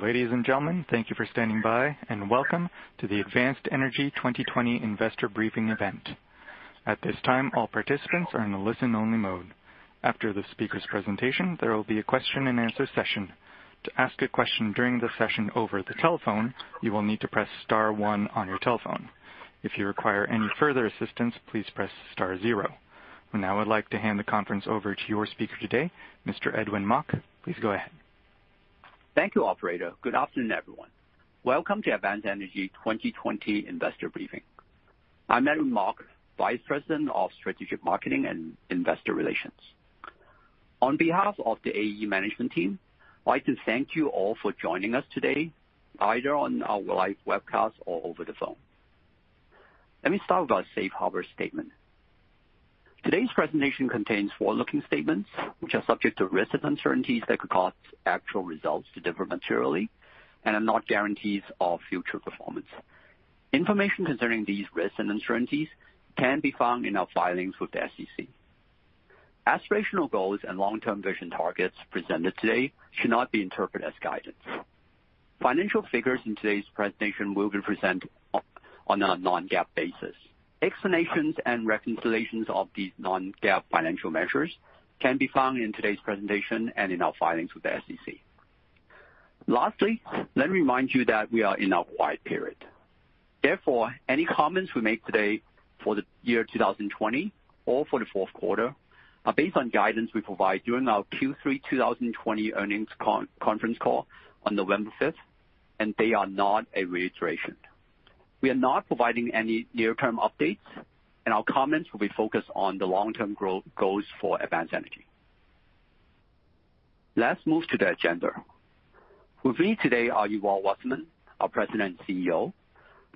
Ladies and gentlemen, thank you for standing by, and welcome to the Advanced Energy 2020 Investor Briefing event. We now would like to hand the conference over to your speaker today, Mr. Edwin Mok. Please go ahead. Thank you, operator. Good afternoon, everyone. Welcome to Advanced Energy 2020 Investor Briefing. I'm Edwin Mok, Vice President of Strategic Marketing and Investor Relations. On behalf of the AE management team, I'd like to thank you all for joining us today, either on our live webcast or over the phone. Let me start with our safe harbor statement. Today's presentation contains forward-looking statements, which are subject to risks and uncertainties that could cause actual results to differ materially and are not guarantees of future performance. Information concerning these risks and uncertainties can be found in our filings with the SEC. Aspirational goals and long-term vision targets presented today should not be interpreted as guidance. Financial figures in today's presentation will be presented on a non-GAAP basis. Explanations and reconciliations of these non-GAAP financial measures can be found in today's presentation and in our filings with the SEC. Lastly, let me remind you that we are in our quiet period. Therefore, any comments we make today for the year 2020 or for the fourth quarter are based on guidance we provide during our Q3 2020 earnings conference call on November 5th, and they are not a reiteration. We are not providing any near-term updates, and our comments will be focused on the long-term growth goals for Advanced Energy. Let's move to the agenda. With me today are Yuval Wasserman, our President and CEO,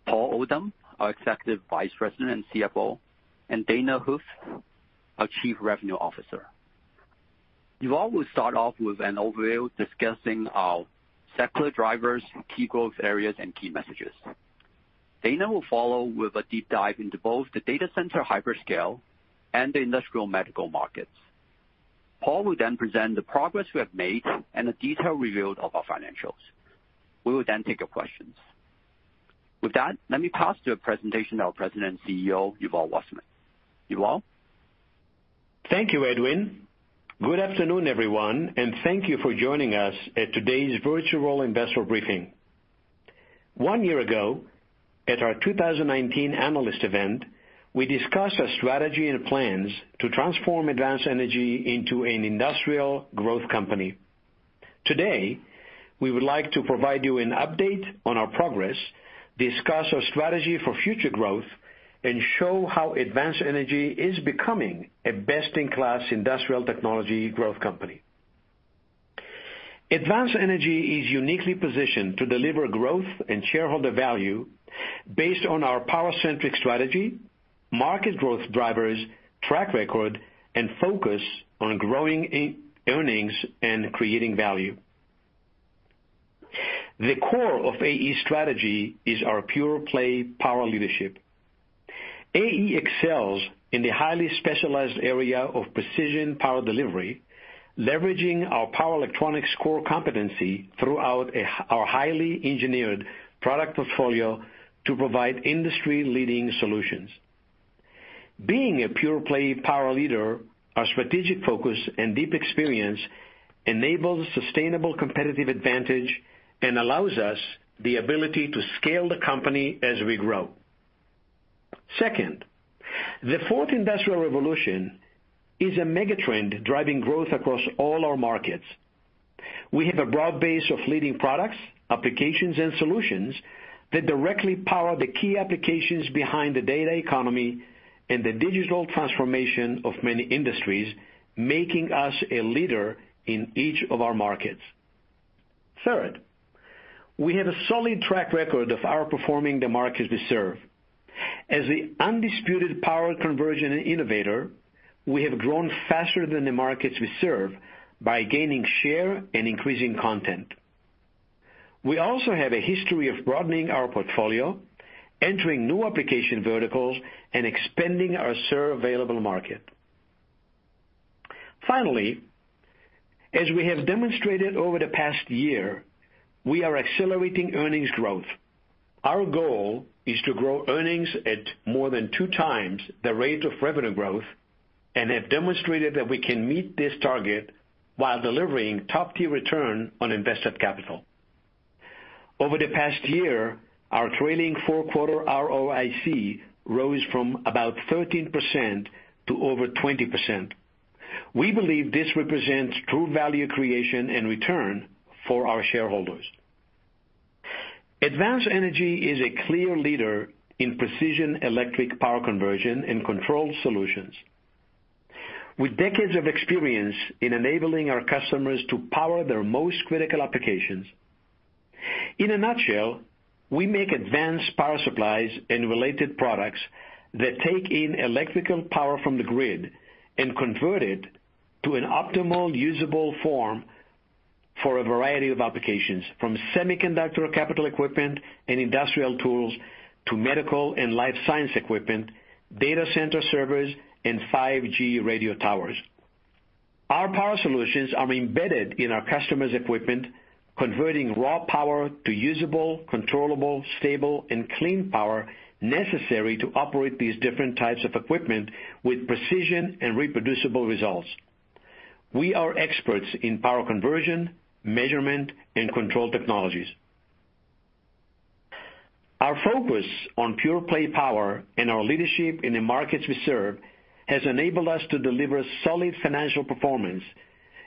Paul Oldham, our Executive Vice President and CFO, and Dana Huth, our Chief Revenue Officer. Yuval will start off with an overview discussing our secular drivers, key growth areas, and key messages. Dana will follow with a deep dive into both the data center hyperscale and the industrial medical markets. Paul will then present the progress we have made and a detailed review of our financials. We will then take your questions. With that, let me pass the presentation to our President and CEO, Yuval Wasserman. Yuval? Thank you, Edwin. Good afternoon, everyone, and thank you for joining us at today's virtual Investor Briefing. One year ago, at our 2019 analyst event, we discussed our strategy and plans to transform Advanced Energy into an industrial growth company. Today, we would like to provide you an update on our progress, discuss our strategy for future growth, and show how Advanced Energy is becoming a best-in-class industrial technology growth company. Advanced Energy is uniquely positioned to deliver growth and shareholder value based on our power-centric strategy, market growth drivers, track record, and focus on growing earnings and creating value. The core of AE's strategy is our pure-play power leadership. AE excels in the highly specialized area of precision power delivery, leveraging our power electronics core competency throughout our highly engineered product portfolio to provide industry-leading solutions. Being a pure-play power leader, our strategic focus and deep experience enables sustainable competitive advantage and allows us the ability to scale the company as we grow. Second, the Fourth Industrial Revolution is a megatrend driving growth across all our markets. We have a broad base of leading products, applications, and solutions that directly power the key applications behind the data economy and the digital transformation of many industries, making us a leader in each of our markets. Third, we have a solid track record of outperforming the markets we serve. As the undisputed power conversion innovator, we have grown faster than the markets we serve by gaining share and increasing content. We also have a history of broadening our portfolio, entering new application verticals, and expanding our served available market. Finally, as we have demonstrated over the past year, we are accelerating earnings growth. Our goal is to grow earnings at more than 2x the rate of revenue growth and have demonstrated that we can meet this target while delivering top-tier return on invested capital. Over the past year, our trailing four-quarter ROIC rose from about 13% to over 20%. We believe this represents true value creation and return for our shareholders. Advanced Energy is a clear leader in precision electric power conversion and control solutions. With decades of experience in enabling our customers to power their most critical applications. In a nutshell, we make advanced power supplies and related products that take in electrical power from the grid and convert it to an optimal, usable form for a variety of applications, from semiconductor capital equipment and industrial tools to medical and life science equipment, data center servers, and 5G radio towers. Our power solutions are embedded in our customers' equipment, converting raw power to usable, controllable, stable, and clean power necessary to operate these different types of equipment with precision and reproducible results. We are experts in power conversion, measurement, and control technologies. Our focus on pure play power and our leadership in the markets we serve has enabled us to deliver solid financial performance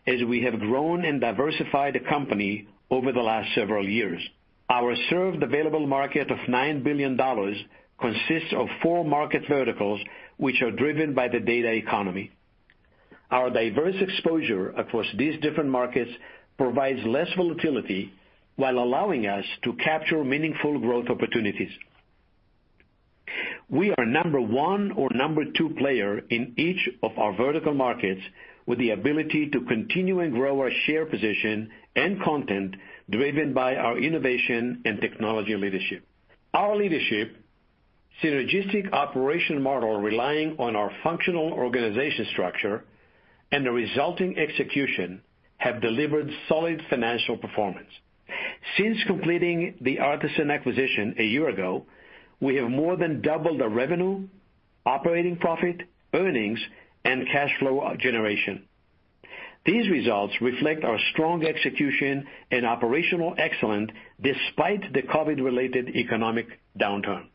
as we have grown and diversified the company over the last several years. Our served available market of $9 billion consists of four market verticals, which are driven by the data economy. Our diverse exposure across these different markets provides less volatility while allowing us to capture meaningful growth opportunities. We are number one or number two player in each of our vertical markets, with the ability to continue and grow our share position and content driven by our innovation and technology leadership. Our leadership, synergistic operation model relying on our functional organization structure, and the resulting execution have delivered solid financial performance. Since completing the Artesyn acquisition a year ago, we have more than doubled our revenue, operating profit, earnings, and cash flow generation. These results reflect our strong execution and operational excellence despite the COVID-related economic downturn.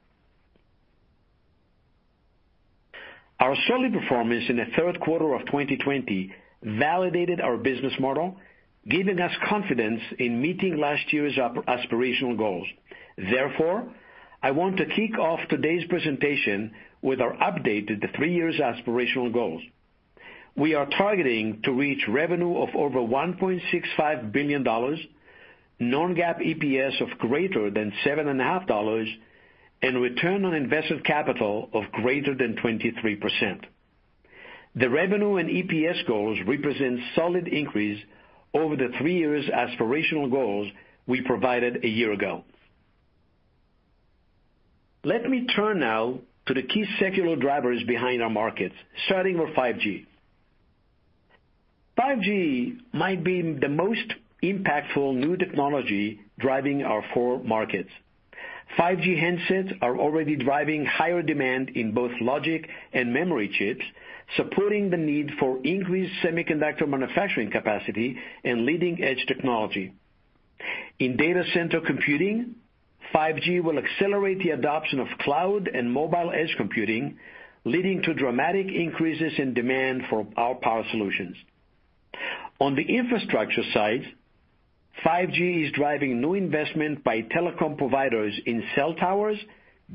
Our solid performance in the third quarter of 2020 validated our business model, giving us confidence in meeting last year's aspirational goals. I want to kick off today's presentation with our updated three years aspirational goals. We are targeting to reach revenue of over $1.65 billion, non-GAAP EPS of greater than $7.50, and return on invested capital of greater than 23%. The revenue and EPS goals represent solid increase over the three years aspirational goals we provided a year ago. Let me turn now to the key secular drivers behind our markets, starting with 5G. 5G might be the most impactful new technology driving our four markets. 5G handsets are already driving higher demand in both logic and memory chips, supporting the need for increased semiconductor manufacturing capacity and leading-edge technology. In data center computing, 5G will accelerate the adoption of cloud and mobile edge computing, leading to dramatic increases in demand for our power solutions. On the infrastructure side, 5G is driving new investment by telecom providers in cell towers,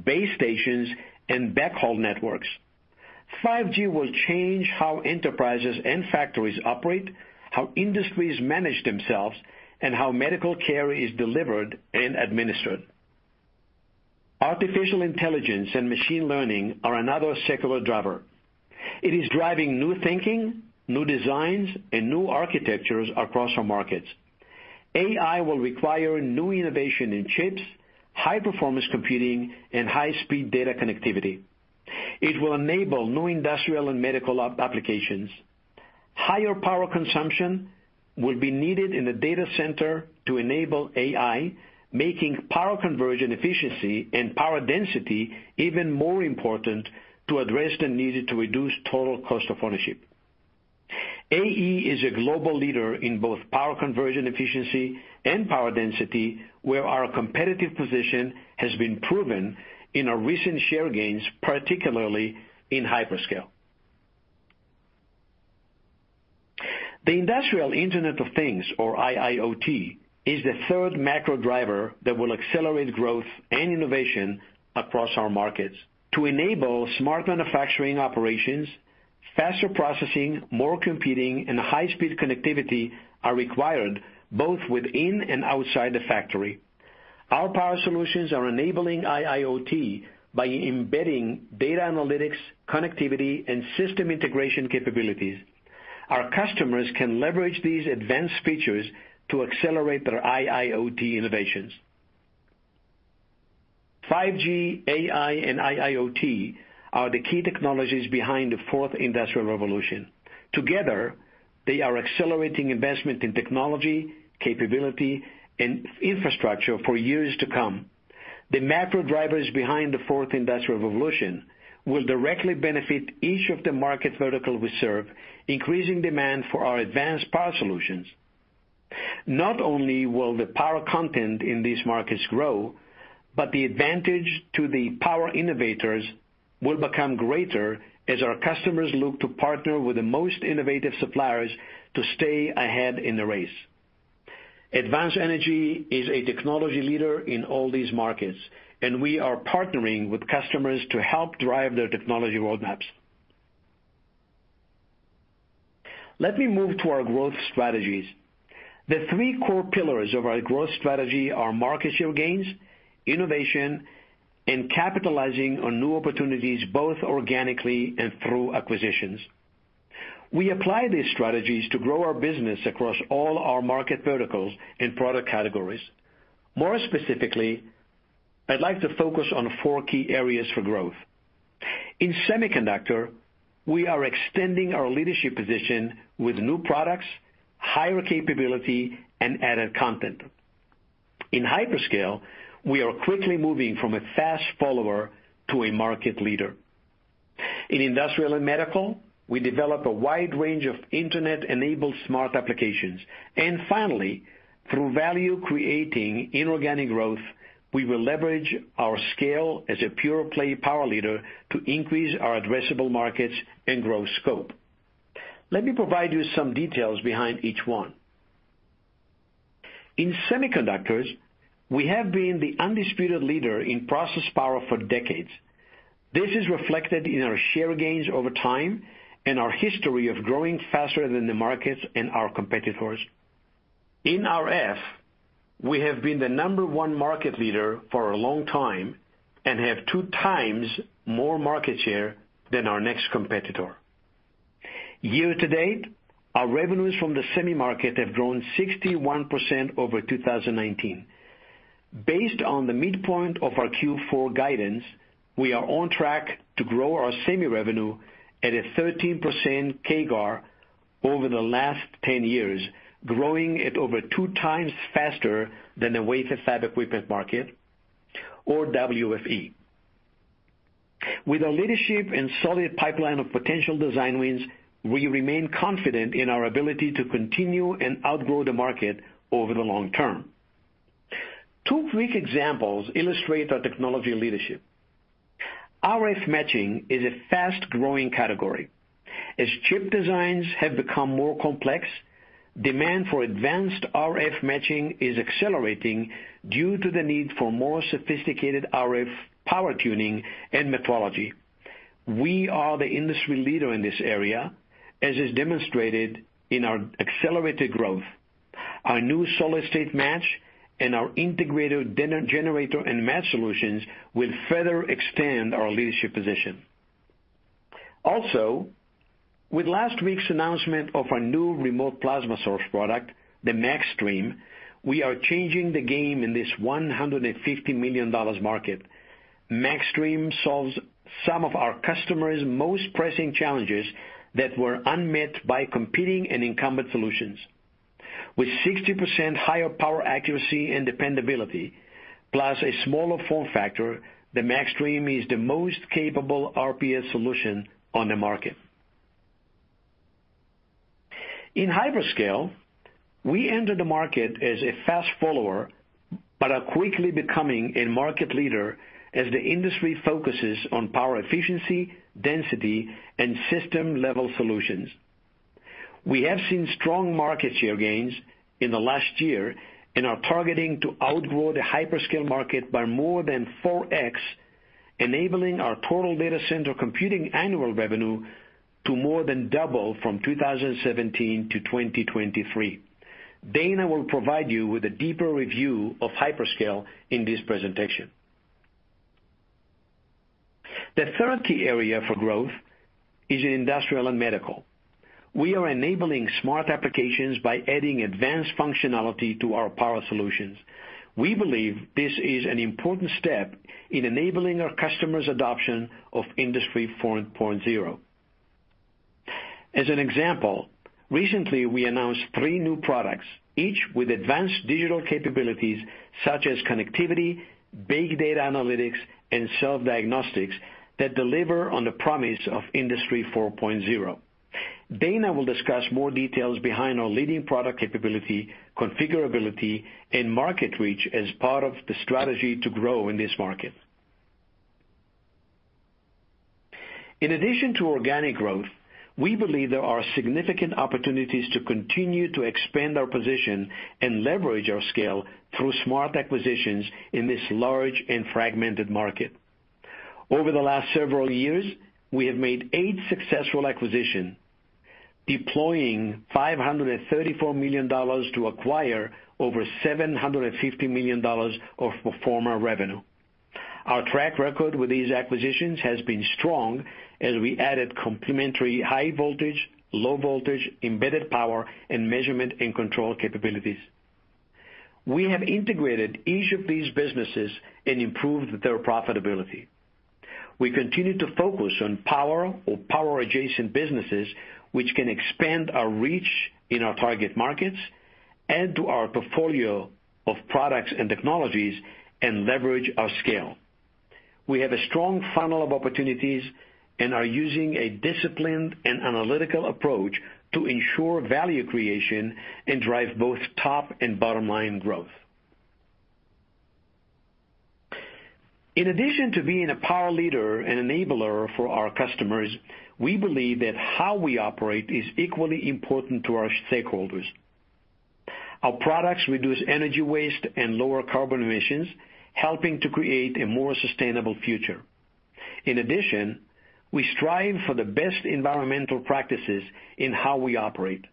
base stations, and backhaul networks. 5G will change how enterprises and factories operate, how industries manage themselves, and how medical care is delivered and administered. Artificial intelligence and machine learning are another secular driver. It is driving new thinking, new designs, and new architectures across our markets. AI will require new innovation in chips, high-performance computing, and high-speed data connectivity. It will enable new industrial and medical applications. Higher power consumption will be needed in the data center to enable AI, making power conversion efficiency and power density even more important to address the need to reduce total cost of ownership. AE is a global leader in both power conversion efficiency and power density, where our competitive position has been proven in our recent share gains, particularly in hyperscale. The Industrial Internet of Things, or IIoT, is the third macro driver that will accelerate growth and innovation across our markets. To enable smart manufacturing operations, faster processing, more computing, and high-speed connectivity are required, both within and outside the factory. Our power solutions are enabling IIoT by embedding data analytics, connectivity, and system integration capabilities. Our customers can leverage these advanced features to accelerate their IIoT innovations. 5G, AI, and IIoT are the key technologies behind the Fourth Industrial Revolution. Together, they are accelerating investment in technology, capability, and infrastructure for years to come. The macro drivers behind the Fourth Industrial Revolution will directly benefit each of the market vertical we serve, increasing demand for our advanced power solutions. Not only will the power content in these markets grow, but the advantage to the power innovators will become greater as our customers look to partner with the most innovative suppliers to stay ahead in the race. Advanced Energy is a technology leader in all these markets, and we are partnering with customers to help drive their technology roadmaps. Let me move to our growth strategies. The three core pillars of our growth strategy are market share gains, innovation, and capitalizing on new opportunities, both organically and through acquisitions. We apply these strategies to grow our business across all our market verticals and product categories. More specifically I'd like to focus on four key areas for growth. In semiconductor, we are extending our leadership position with new products, higher capability, and added content. In hyperscale, we are quickly moving from a fast follower to a market leader. In industrial and medical, we develop a wide range of internet-enabled smart applications. Finally, through value creating inorganic growth, we will leverage our scale as a pure-play power leader to increase our addressable markets and growth scope. Let me provide you some details behind each one. In semiconductors, we have been the undisputed leader in process power for decades. This is reflected in our share gains over time and our history of growing faster than the markets and our competitors. In RF, we have been the number one market leader for a long time and have two times more market share than our next competitor. Year to date, our revenues from the semi market have grown 61% over 2019. Based on the midpoint of our Q4 guidance, we are on track to grow our semi revenue at a 13% CAGR over the last 10 years, growing at over two times faster than the wafer fab equipment market, or WFE. With our leadership and solid pipeline of potential design wins, we remain confident in our ability to continue and outgrow the market over the long term. Two quick examples illustrate our technology leadership. RF matching is a fast-growing category. As chip designs have become more complex, demand for advanced RF matching is accelerating due to the need for more sophisticated RF power tuning and metrology. We are the industry leader in this area, as is demonstrated in our accelerated growth. Our new solid-state match and our integrated generator and match solutions will further extend our leadership position. Also, with last week's announcement of our new remote plasma source product, the MAXstream, we are changing the game in this $150 million market. MAXstream solves some of our customers' most pressing challenges that were unmet by competing and incumbent solutions. With 60% higher power accuracy and dependability, plus a smaller form factor, the MAXstream is the most capable RPS solution on the market. In hyperscale, we entered the market as a fast follower, are quickly becoming a market leader as the industry focuses on power efficiency, density, and system-level solutions. We have seen strong market share gains in the last year and are targeting to outgrow the hyperscale market by more than 4x, enabling our total data center computing annual revenue to more than double from 2017 to 2023. Dana will provide you with a deeper review of hyperscale in this presentation. The third key area for growth is in industrial and medical. We are enabling smart applications by adding advanced functionality to our power solutions. We believe this is an important step in enabling our customers' adoption of Industry 4.0. As an example, recently, we announced three new products, each with advanced digital capabilities such as connectivity, big data analytics, and self-diagnostics that deliver on the promise of Industry 4.0. Dana will discuss more details behind our leading product capability, configurability, and market reach as part of the strategy to grow in this market. In addition to organic growth, we believe there are significant opportunities to continue to expand our position and leverage our scale through smart acquisitions in this large and fragmented market. Over the last several years, we have made eight successful acquisitions, deploying $534 million to acquire over $750 million of pro forma revenue. Our track record with these acquisitions has been strong as we added complementary high voltage, low voltage, embedded power, and measurement and control capabilities. We have integrated each of these businesses and improved their profitability. We continue to focus on power or power-adjacent businesses, which can expand our reach in our target markets, add to our portfolio of products and technologies, and leverage our scale. We have a strong funnel of opportunities and are using a disciplined and analytical approach to ensure value creation and drive both top and bottom-line growth. In addition to being a power leader and enabler for our customers, we believe that how we operate is equally important to our stakeholders. Our products reduce energy waste and lower carbon emissions, helping to create a more sustainable future. In addition, we strive for the best environmental practices in how we operate.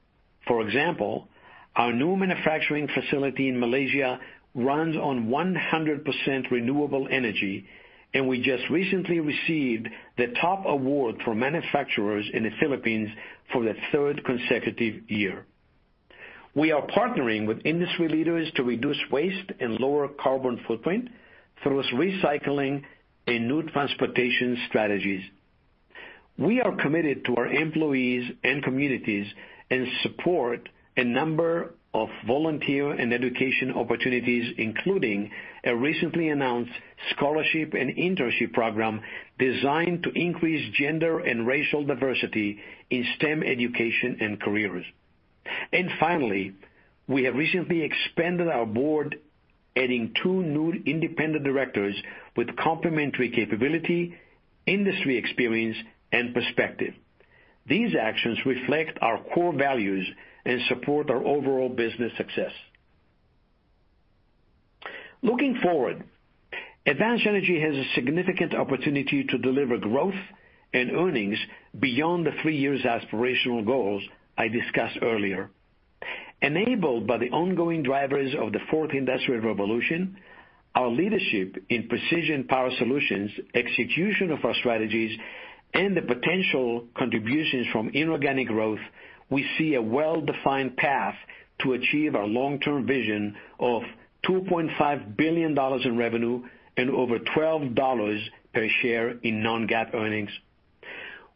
For example, our new manufacturing facility in Malaysia runs on 100% renewable energy, and we just recently received the top award for manufacturers in the Philippines for the third consecutive year. We are partnering with industry leaders to reduce waste and lower carbon footprint through recycling and new transportation strategies. We are committed to our employees and communities, and support a number of volunteer and education opportunities, including a recently announced scholarship and internship program designed to increase gender and racial diversity in STEM education and careers. Finally, we have recently expanded our board, adding two new independent directors with complementary capability, industry experience, and perspective. These actions reflect our core values and support our overall business success. Looking forward, Advanced Energy has a significant opportunity to deliver growth in earnings beyond the three years aspirational goals I discussed earlier. Enabled by the ongoing drivers of the fourth Industrial Revolution, our leadership in precision power solutions, execution of our strategies, and the potential contributions from inorganic growth, we see a well-defined path to achieve our long-term vision of $2.5 billion in revenue and over $12 per share in non-GAAP earnings.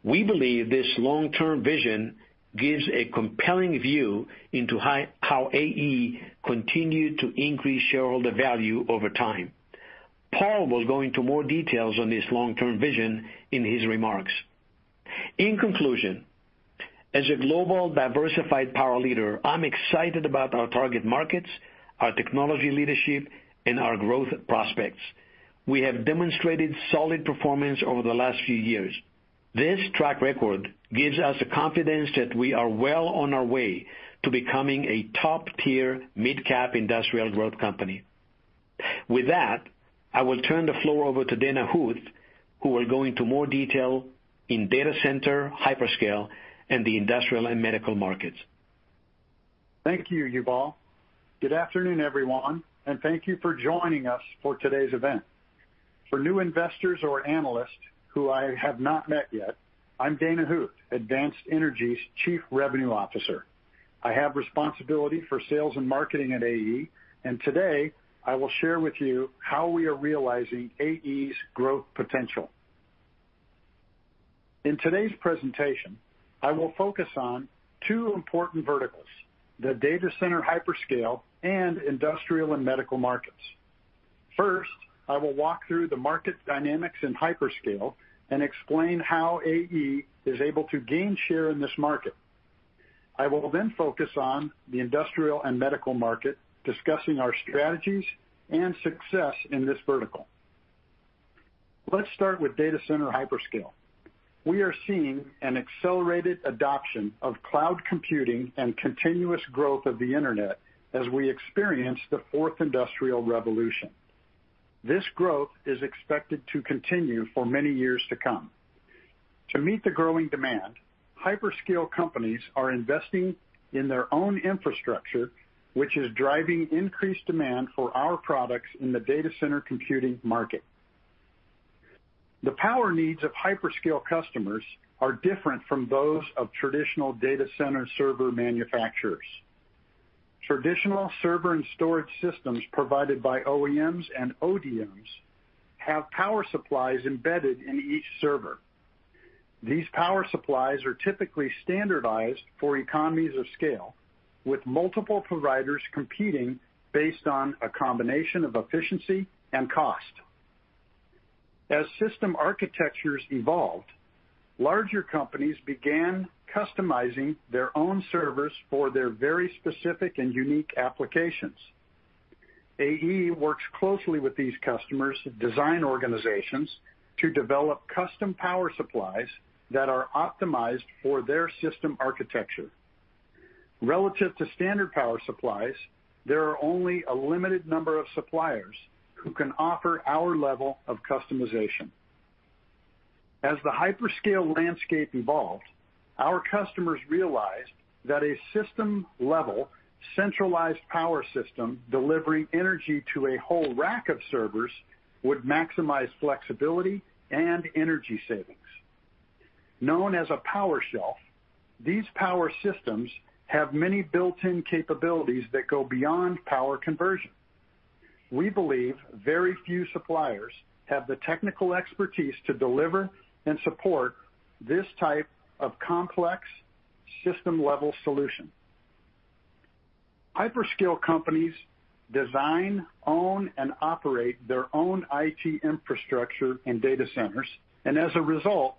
We believe this long-term vision gives a compelling view into how AE continue to increase shareholder value over time. Paul will go into more details on this long-term vision in his remarks. In conclusion, as a global diversified power leader, I'm excited about our target markets, our technology leadership, and our growth prospects. We have demonstrated solid performance over the last few years. This track record gives us the confidence that we are well on our way to becoming a top-tier mid-cap industrial growth company. With that, I will turn the floor over to Dana Huth, who will go into more detail in data center, hyperscale, and the industrial and medical markets. Thank you, Yuval. Good afternoon, everyone, and thank you for joining us for today's event. For new investors or analysts who I have not met yet, I'm Dana Huth, Advanced Energy's Chief Revenue Officer. I have responsibility for sales and marketing at AE, and today, I will share with you how we are realizing AE's growth potential. In today's presentation, I will focus on two important verticals, the data center hyperscale and industrial and medical markets. First, I will walk through the market dynamics in hyperscale and explain how AE is able to gain share in this market. I will then focus on the industrial and medical market, discussing our strategies and success in this vertical. Let's start with data center hyperscale. We are seeing an accelerated adoption of cloud computing and continuous growth of the internet as we experience the Fourth Industrial Revolution. This growth is expected to continue for many years to come. To meet the growing demand, hyperscale companies are investing in their own infrastructure, which is driving increased demand for our products in the data center computing market. The power needs of hyperscale customers are different from those of traditional data center server manufacturers. Traditional server and storage systems provided by OEMs and ODMs have power supplies embedded in each server. These power supplies are typically standardized for economies of scale, with multiple providers competing based on a combination of efficiency and cost. As system architectures evolved, larger companies began customizing their own servers for their very specific and unique applications. AE works closely with these customers' design organizations to develop custom power supplies that are optimized for their system architecture. Relative to standard power supplies, there are only a limited number of suppliers who can offer our level of customization. As the hyperscale landscape evolved, our customers realized that a system-level, centralized power system delivering energy to a whole rack of servers would maximize flexibility and energy savings. Known as a power shelf, these power systems have many built-in capabilities that go beyond power conversion. We believe very few suppliers have the technical expertise to deliver and support this type of complex system-level solution. Hyperscale companies design, own, and operate their own IT infrastructure and data centers, and as a result,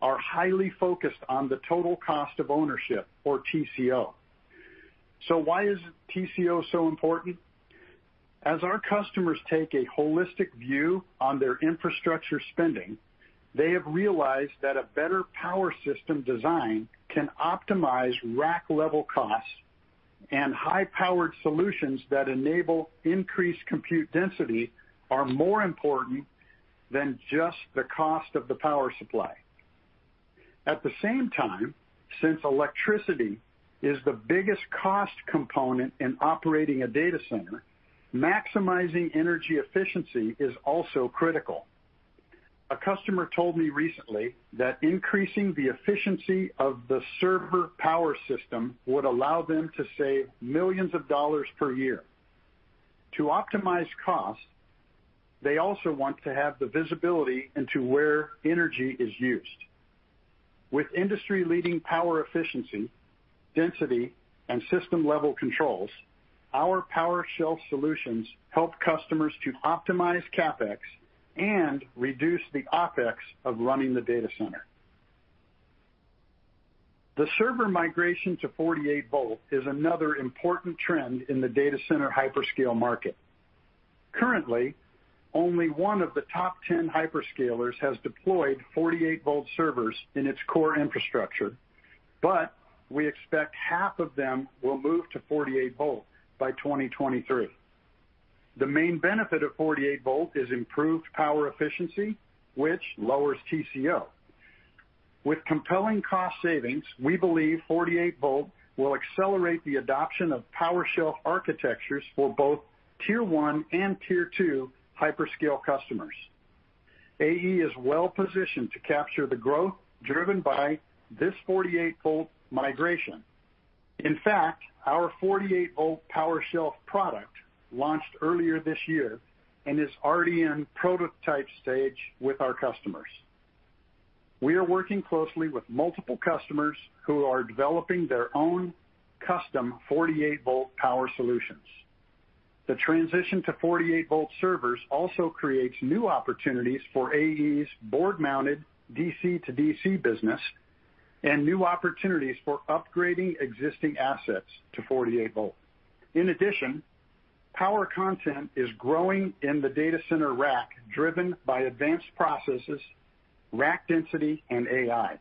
are highly focused on the total cost of ownership, or TCO. Why is TCO so important? As our customers take a holistic view on their infrastructure spending, they have realized that a better power system design can optimize rack-level costs and high-powered solutions that enable increased compute density are more important than just the cost of the power supply. At the same time, since electricity is the biggest cost component in operating a data center, maximizing energy efficiency is also critical. A customer told me recently that increasing the efficiency of the server power system would allow them to save millions of dollars per year. To optimize cost, they also want to have the visibility into where energy is used. With industry-leading power efficiency, density, and system-level controls, our power shelf solutions help customers to optimize CapEx and reduce the OpEx of running the data center. The server migration to 48V is another important trend in the data center hyperscale market. Currently, only one of the top 10 hyperscalers has deployed 48V servers in its core infrastructure, but we expect half of them will move to 48V by 2023. The main benefit of 48V is improved power efficiency, which lowers TCO. With compelling cost savings, we believe 48V will accelerate the adoption of power shelf architectures for both tier one and tier two hyperscale customers. AE is well-positioned to capture the growth driven by this 48V migration. In fact, our 48V power shelf product launched earlier this year and is already in prototype stage with our customers. We are working closely with multiple customers who are developing their own custom 48V power solutions. The transition to 48V servers also creates new opportunities for AE's board-mounted DC-to-DC business and new opportunities for upgrading existing assets to 48V. In addition, power content is growing in the data center rack, driven by advanced processes, rack density, and AI.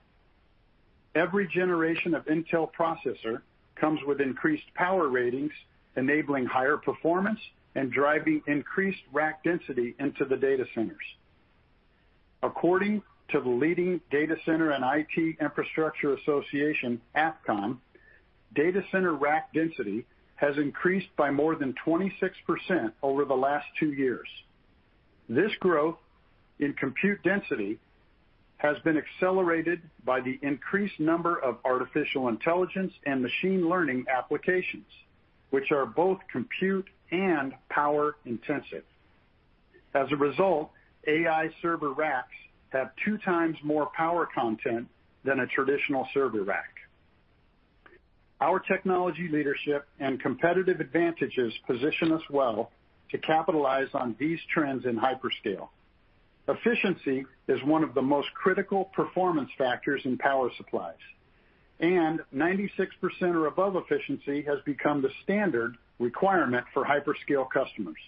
Every generation of Intel processor comes with increased power ratings, enabling higher performance and driving increased rack density into the data centers. According to the leading data center and IT infrastructure association, AFCOM, data center rack density has increased by more than 26% over the last two years. This growth in compute density has been accelerated by the increased number of artificial intelligence and machine learning applications, which are both compute and power-intensive. As a result, AI server racks have two times more power content than a traditional server rack. Our technology leadership and competitive advantages position us well to capitalize on these trends in hyperscale. Efficiency is one of the most critical performance factors in power supplies, and 96% or above efficiency has become the standard requirement for hyperscale customers.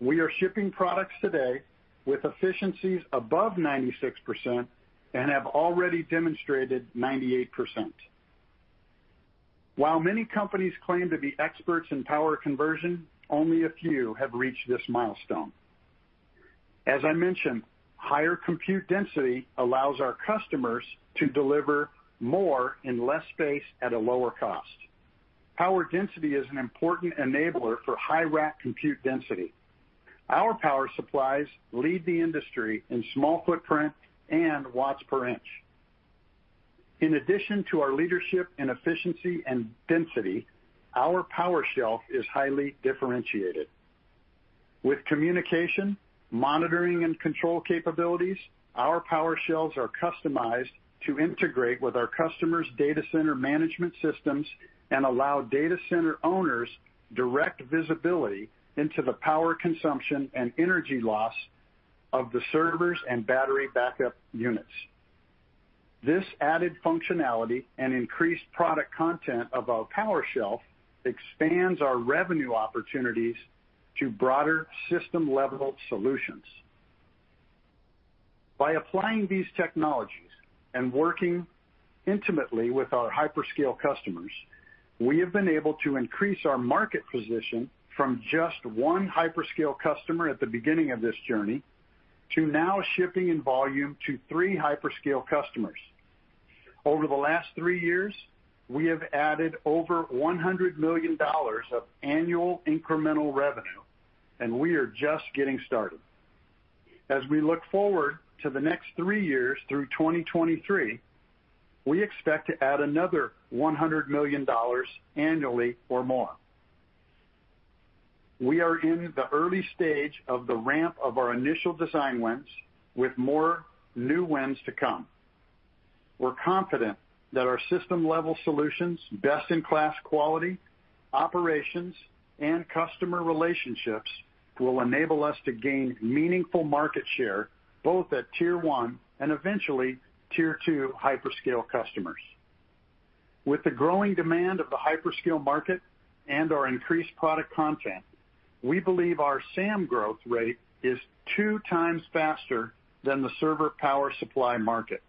We are shipping products today with efficiencies above 96% and have already demonstrated 98%. While many companies claim to be experts in power conversion, only a few have reached this milestone. As I mentioned, higher compute density allows our customers to deliver more in less space at a lower cost. Power density is an important enabler for high rack compute density. Our power supplies lead the industry in small footprint and watts per inch. In addition to our leadership in efficiency and density, our power shelf is highly differentiated. With communication, monitoring, and control capabilities, our power shelves are customized to integrate with our customers' data center management systems and allow data center owners direct visibility into the power consumption and energy loss of the servers and battery backup units. This added functionality and increased product content of our power shelf expands our revenue opportunities to broader system-level solutions. By applying these technologies and working intimately with our hyperscale customers, we have been able to increase our market position from just one hyperscale customer at the beginning of this journey to now shipping in volume to three hyperscale customers. Over the last three years, we have added over $100 million of annual incremental revenue. We are just getting started. As we look forward to the next three years through 2023, we expect to add another $100 million annually or more. We are in the early stage of the ramp of our initial design wins, with more new wins to come. We're confident that our system-level solutions, best-in-class quality, operations, and customer relationships will enable us to gain meaningful market share, both at tier one and eventually tier two hyperscale customers. With the growing demand of the hyperscale market and our increased product content, we believe our SAM growth rate is two times faster than the server power supply market.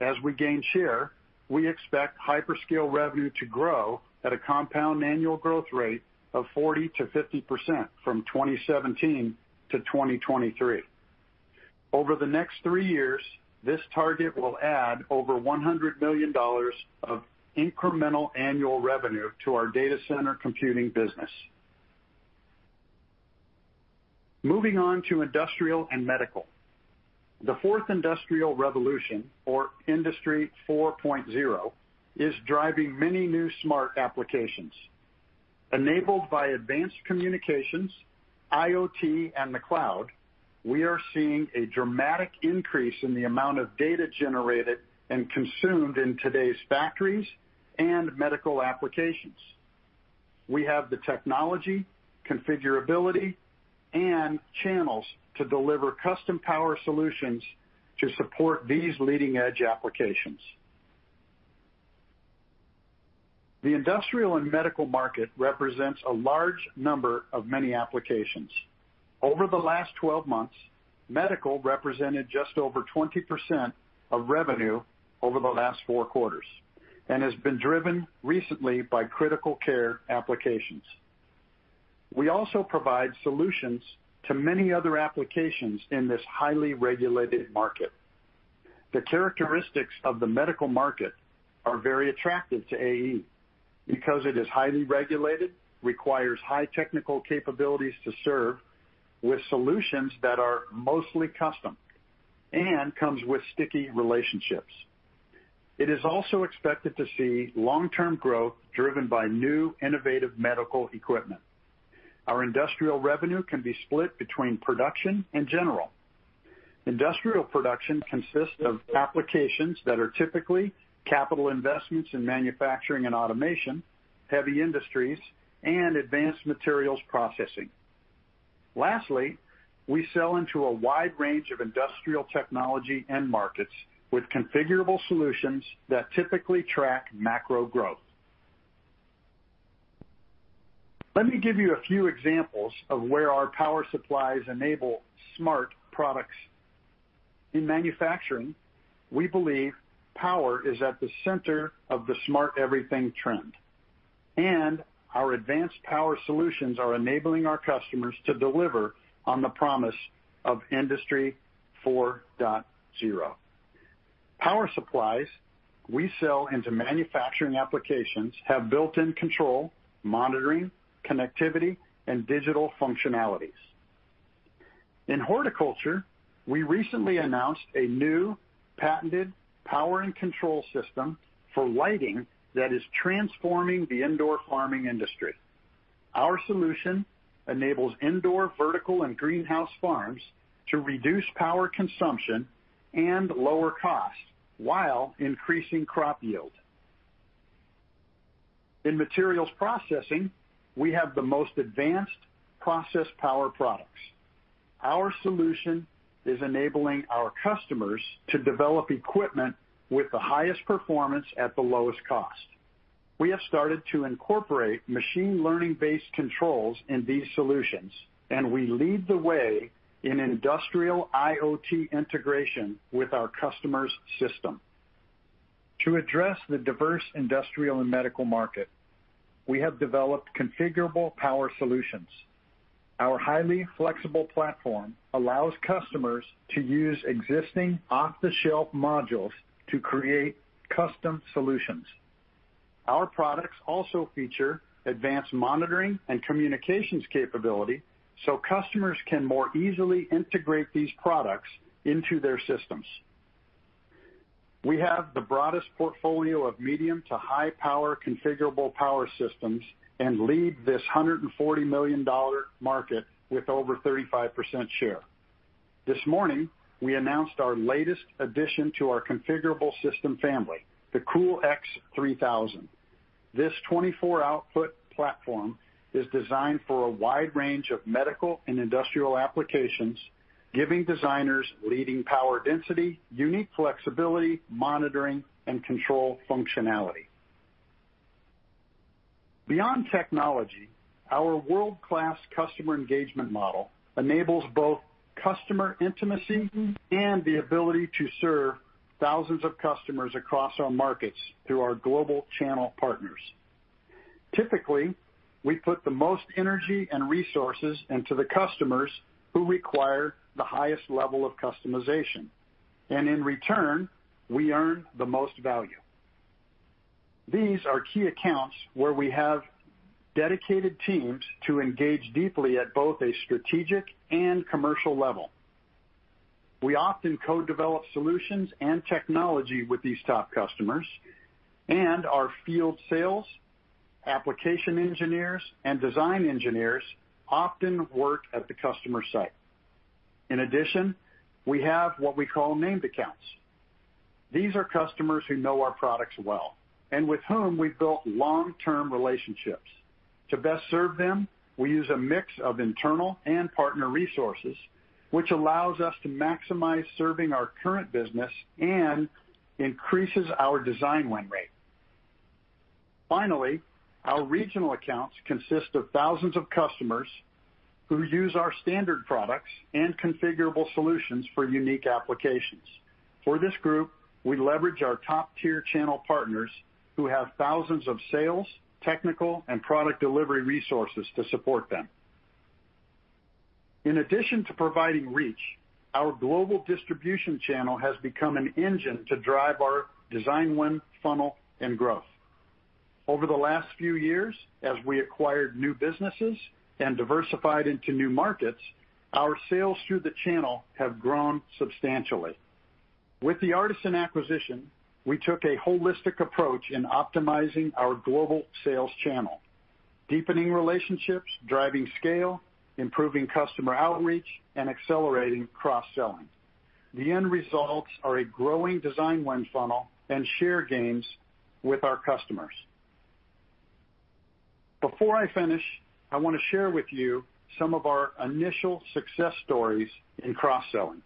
As we gain share, we expect hyperscale revenue to grow at a compound annual growth rate of 40%-50% from 2017 to 2023. Over the next three years, this target will add over $100 million of incremental annual revenue to our data center computing business. Moving on to industrial and medical. The Fourth Industrial Revolution, or Industry 4.0, is driving many new smart applications. Enabled by advanced communications, IoT, and the cloud, we are seeing a dramatic increase in the amount of data generated and consumed in today's factories and medical applications. We have the technology, configurability, and channels to deliver custom power solutions to support these leading-edge applications. The industrial and medical market represents a large number of many applications. Over the last 12 months, medical represented just over 20% of revenue over the last four quarters and has been driven recently by critical care applications. We also provide solutions to many other applications in this highly regulated market. The characteristics of the medical market are very attractive to AE because it is highly regulated, requires high technical capabilities to serve with solutions that are mostly custom, and comes with sticky relationships. It is also expected to see long-term growth driven by new innovative medical equipment. Our industrial revenue can be split between production and general. Industrial production consists of applications that are typically capital investments in manufacturing and automation, heavy industries, and advanced materials processing. Lastly, we sell into a wide range of industrial technology end markets with configurable solutions that typically track macro growth. Let me give you a few examples of where our power supplies enable smart products. In manufacturing, we believe power is at the center of the smart everything trend, and our advanced power solutions are enabling our customers to deliver on the promise of Industry 4.0. Power supplies we sell into manufacturing applications have built-in control, monitoring, connectivity, and digital functionalities. In horticulture, we recently announced a new patented power and control system for lighting that is transforming the indoor farming industry. Our solution enables indoor vertical and greenhouse farms to reduce power consumption and lower costs while increasing crop yield. In materials processing, we have the most advanced process power products. Our solution is enabling our customers to develop equipment with the highest performance at the lowest cost. We have started to incorporate machine learning-based controls in these solutions, and we lead the way in industrial IoT integration with our customers' system. To address the diverse industrial and medical market, we have developed configurable power solutions. Our highly flexible platform allows customers to use existing off-the-shelf modules to create custom solutions. Our products also feature advanced monitoring and communications capability so customers can more easily integrate these products into their systems. We have the broadest portfolio of medium to high power configurable power systems and lead this $140 million market with over 35% share. This morning, we announced our latest addition to our configurable system family, the CoolX3000. This 24-output platform is designed for a wide range of medical and industrial applications, giving designers leading power density, unique flexibility, monitoring, and control functionality. Beyond technology, our world-class customer engagement model enables both customer intimacy and the ability to serve thousands of customers across our markets through our global channel partners. Typically, we put the most energy and resources into the customers who require the highest level of customization, and in return, we earn the most value. These are key accounts where we have dedicated teams to engage deeply at both a strategic and commercial level. We often co-develop solutions and technology with these top customers, and our field sales, application engineers, and design engineers often work at the customer site. In addition, we have what we call named accounts. These are customers who know our products well and with whom we've built long-term relationships. To best serve them, we use a mix of internal and partner resources, which allows us to maximize serving our current business and increases our design win rate. Finally, our regional accounts consist of thousands of customers who use our standard products and configurable solutions for unique applications. For this group, we leverage our top-tier channel partners who have thousands of sales, technical, and product delivery resources to support them. In addition to providing reach, our global distribution channel has become an engine to drive our design win funnel and growth. Over the last few years, as we acquired new businesses and diversified into new markets, our sales through the channel have grown substantially. With the Artesyn acquisition, we took a holistic approach in optimizing our global sales channel, deepening relationships, driving scale, improving customer outreach, and accelerating cross-selling. The end results are a growing design win funnel and share gains with our customers. Before I finish, I want to share with you some of our initial success stories in cross-selling.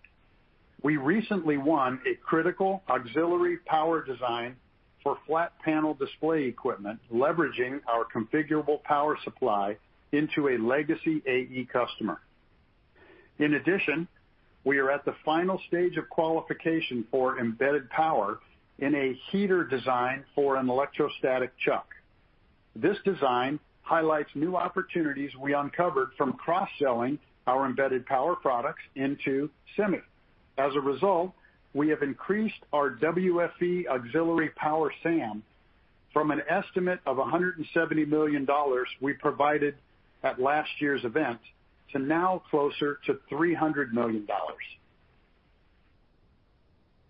We recently won a critical auxiliary power design for flat panel display equipment, leveraging our configurable power supply into a legacy AE customer. In addition, we are at the final stage of qualification for embedded power in a heater design for an electrostatic chuck. This design highlights new opportunities we uncovered from cross-selling our embedded power products into semi. As a result, we have increased our WFE auxiliary power SAM from an estimate of $170 million we provided at last year's event to now closer to $300 million.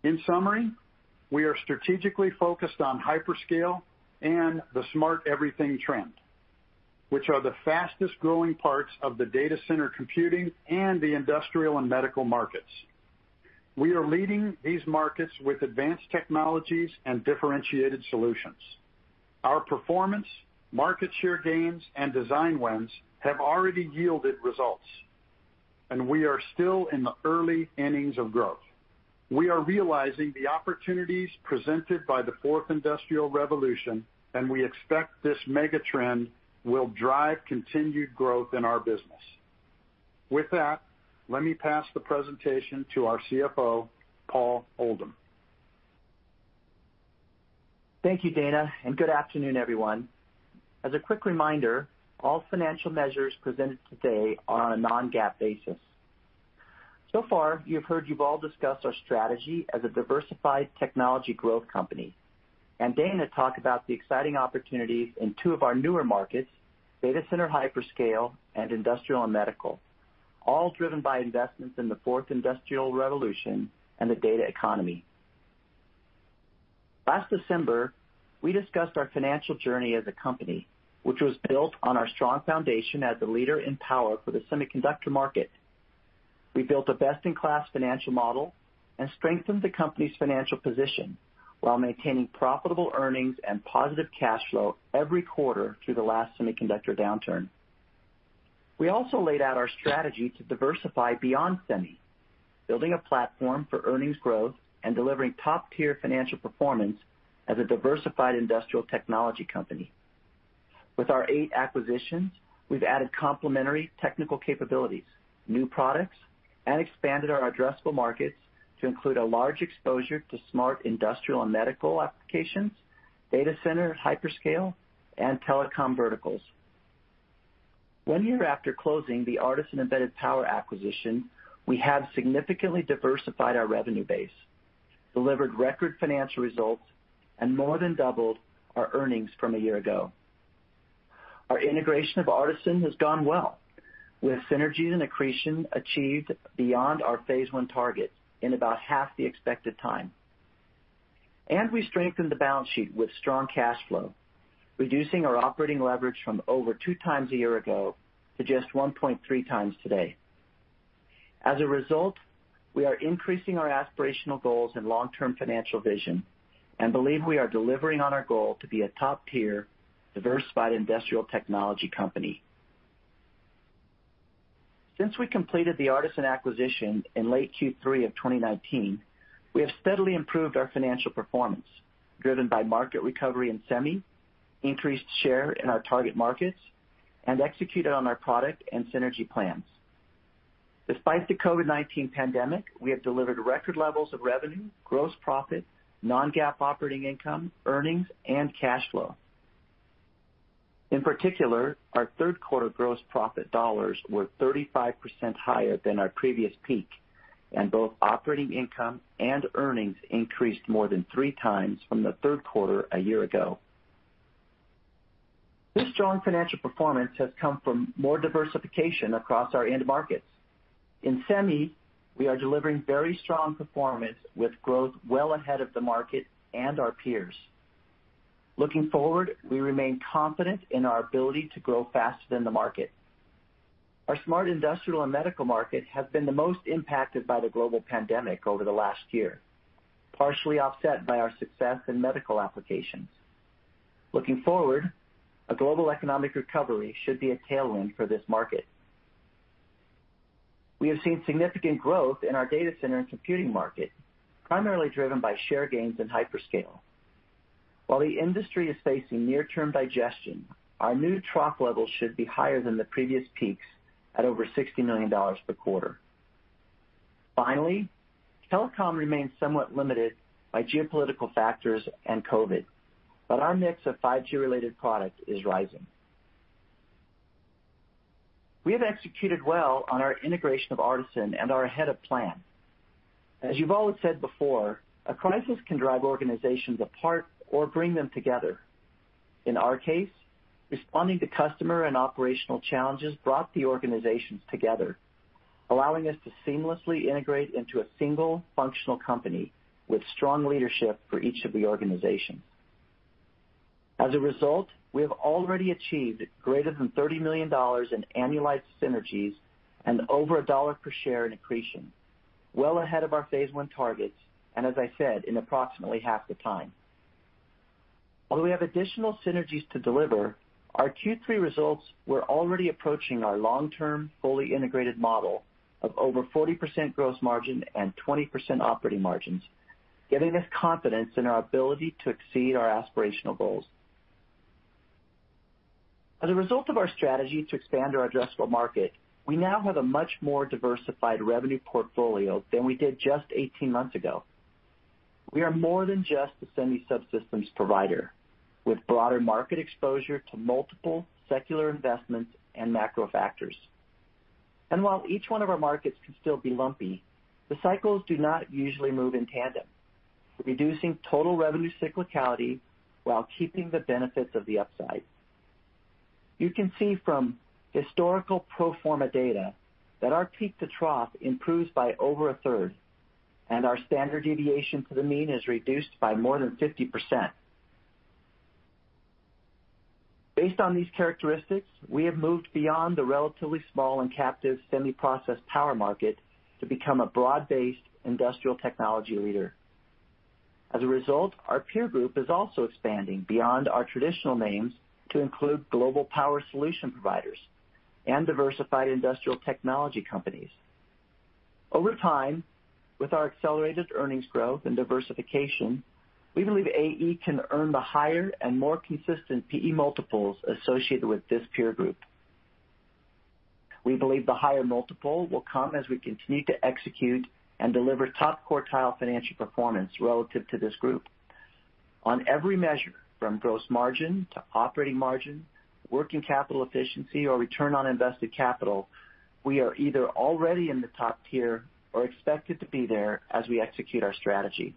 In summary, we are strategically focused on hyperscale and the smart everything trend, which are the fastest-growing parts of the data center computing and the industrial and medical markets. We are leading these markets with advanced technologies and differentiated solutions. Our performance, market share gains, and design wins have already yielded results, and we are still in the early innings of growth. We are realizing the opportunities presented by the Fourth Industrial Revolution. We expect this mega trend will drive continued growth in our business. With that, let me pass the presentation to our CFO, Paul Oldham. Thank you, Dana Huth, and good afternoon, everyone. As a quick reminder, all financial measures presented today are on a non-GAAP basis. So far, you've heard Yuval discuss our strategy as a diversified technology growth company, and Dana talk about the exciting opportunities in two of our newer markets, data center hyperscale, and industrial and medical, all driven by investments in the Fourth Industrial Revolution and the data economy. Last December, we discussed our financial journey as a company, which was built on our strong foundation as a leader in power for the semiconductor market. We built a best-in-class financial model and strengthened the company's financial position while maintaining profitable earnings and positive cash flow every quarter through the last semiconductor downturn. We also laid out our strategy to diversify beyond semi, building a platform for earnings growth and delivering top-tier financial performance as a diversified industrial technology company. With our eight acquisitions, we've added complementary technical capabilities, new products, and expanded our addressable markets to include a large exposure to smart industrial and medical applications, data center hyperscale, and telecom verticals. One year after closing the Artesyn Embedded Power acquisition, we have significantly diversified our revenue base, delivered record financial results, and more than doubled our earnings from a year ago. Our integration of Artesyn has gone well, with synergies and accretion achieved beyond our phase 1 target in about half the expected time. We strengthened the balance sheet with strong cash flow, reducing our operating leverage from over two times a year ago to just 1.3 times today. As a result, we are increasing our aspirational goals and long-term financial vision and believe we are delivering on our goal to be a top-tier diversified industrial technology company. Since we completed the Artesyn acquisition in late Q3 of 2019, we have steadily improved our financial performance, driven by market recovery in semi, increased share in our target markets, and executed on our product and synergy plans. Despite the COVID-19 pandemic, we have delivered record levels of revenue, gross profit, non-GAAP operating income, earnings, and cash flow. In particular, our third quarter gross profit dollars were 35% higher than our previous peak, and both operating income and earnings increased more than 3x from the third quarter a year ago. This strong financial performance has come from more diversification across our end markets. In semi, we are delivering very strong performance with growth well ahead of the market and our peers. Looking forward, we remain confident in our ability to grow faster than the market. Our smart industrial and medical market has been the most impacted by the global pandemic over the last year, partially offset by our success in medical applications. Looking forward, a global economic recovery should be a tailwind for this market. We have seen significant growth in our data center and computing market, primarily driven by share gains in hyperscale. While the industry is facing near-term digestion, our new trough levels should be higher than the previous peaks at over $60 million per quarter. Telecom remains somewhat limited by geopolitical factors and COVID, but our mix of 5G-related products is rising. We have executed well on our integration of Artesyn and are ahead of plan. As Yuval said before, a crisis can drive organizations apart or bring them together. In our case, responding to customer and operational challenges brought the organizations together, allowing us to seamlessly integrate into a single functional company with strong leadership for each of the organizations. As a result, we have already achieved greater than $30 million in annualized synergies and over a dollar per share in accretion, well ahead of our phase one targets, and as I said, in approximately half the time. Although we have additional synergies to deliver, our Q3 results were already approaching our long-term, fully integrated model of over 40% gross margin and 20% operating margins, giving us confidence in our ability to exceed our aspirational goals. As a result of our strategy to expand our addressable market, we now have a much more diversified revenue portfolio than we did just 18 months ago. We are more than just a semi-subsystems provider, with broader market exposure to multiple secular investments and macro factors. While each one of our markets can still be lumpy, the cycles do not usually move in tandem, reducing total revenue cyclicality while keeping the benefits of the upside. You can see from historical pro forma data that our peak-to-trough improves by over 1/3, and our standard deviation to the mean is reduced by more than 50%. Based on these characteristics, we have moved beyond the relatively small and captive semi-process power market to become a broad-based industrial technology leader. As a result, our peer group is also expanding beyond our traditional names to include global power solution providers and diversified industrial technology companies. Over time, with our accelerated earnings growth and diversification, we believe AE can earn the higher and more consistent PE multiples associated with this peer group. We believe the higher multiple will come as we continue to execute and deliver top-quartile financial performance relative to this group. On every measure, from gross margin to operating margin, working capital efficiency, or return on invested capital, we are either already in the top tier or expected to be there as we execute our strategy.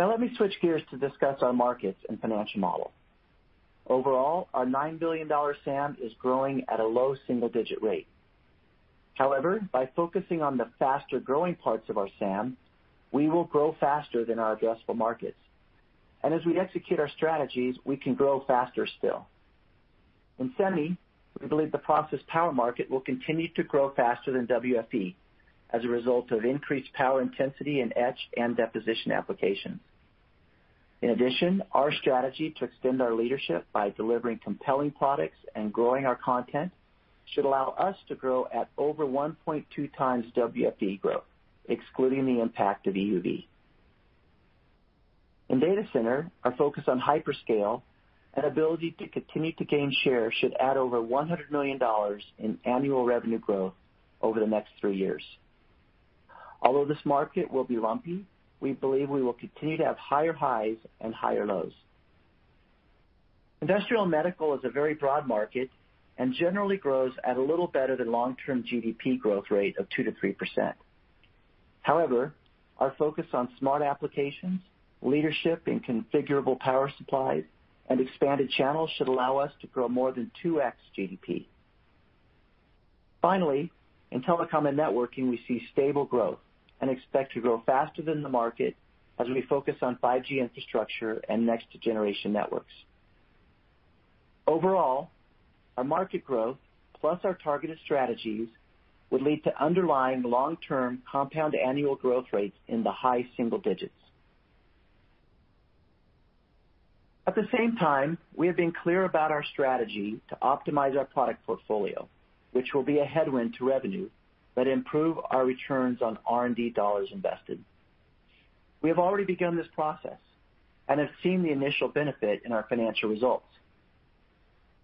Now let me switch gears to discuss our markets and financial model. Overall, our $9 billion SAM is growing at a low single-digit rate. However, by focusing on the faster-growing parts of our SAM, we will grow faster than our addressable markets. As we execute our strategies, we can grow faster still. In semi, we believe the process power market will continue to grow faster than WFE as a result of increased power intensity in etch and deposition applications. In addition, our strategy to extend our leadership by delivering compelling products and growing our content should allow us to grow at over 1.2x WFE growth, excluding the impact of EUV. In data center, our focus on hyperscale and ability to continue to gain share should add over $100 million in annual revenue growth over the next three years. Although this market will be lumpy, we believe we will continue to have higher highs and higher lows. Industrial and medical is a very broad market and generally grows at a little better than long-term GDP growth rate of 2%-3%. Our focus on smart applications, leadership in configurable power supplies, and expanded channels should allow us to grow more than 2x GDP. In telecom and networking, we see stable growth and expect to grow faster than the market as we focus on 5G infrastructure and next-generation networks. Overall, our market growth, plus our targeted strategies, would lead to underlying long-term compound annual growth rates in the high single digits. At the same time, we have been clear about our strategy to optimize our product portfolio, which will be a headwind to revenue but improve our returns on R&D dollars invested. We have already begun this process and have seen the initial benefit in our financial results.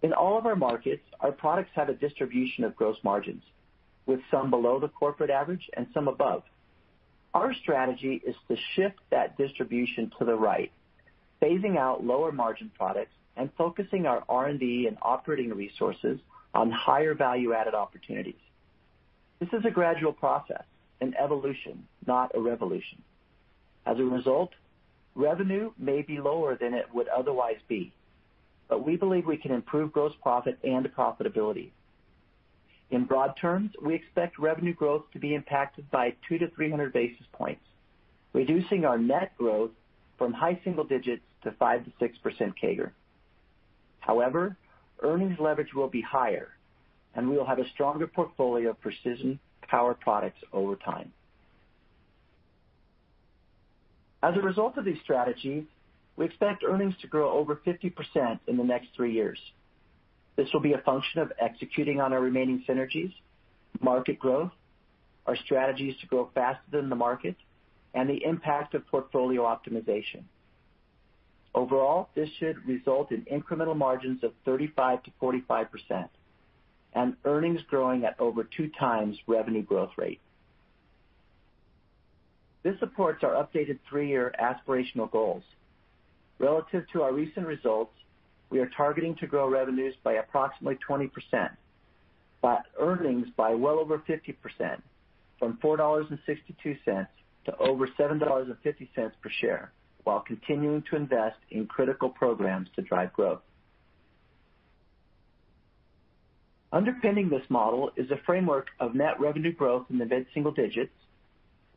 In all of our markets, our products have a distribution of gross margins, with some below the corporate average and some above. Our strategy is to shift that distribution to the right, phasing out lower-margin products and focusing our R&D and operating resources on higher value-added opportunities. This is a gradual process, an evolution, not a revolution. As a result, revenue may be lower than it would otherwise be. We believe we can improve gross profit and profitability. In broad terms, we expect revenue growth to be impacted by 200 basis points-300 basis points, reducing our net growth from high single digits to 5%-6% CAGR. Earnings leverage will be higher, and we will have a stronger portfolio of precision power products over time. As a result of these strategies, we expect earnings to grow over 50% in the next three years. This will be a function of executing on our remaining synergies, market growth, our strategies to grow faster than the market, and the impact of portfolio optimization. Overall, this should result in incremental margins of 35%-45% and earnings growing at over two times revenue growth rate. This supports our updated three-year aspirational goals. Relative to our recent results, we are targeting to grow revenues by approximately 20%, earnings by well over 50%, from $4.62 to over $7.50 per share, while continuing to invest in critical programs to drive growth. Underpinning this model is a framework of net revenue growth in the mid-single digits,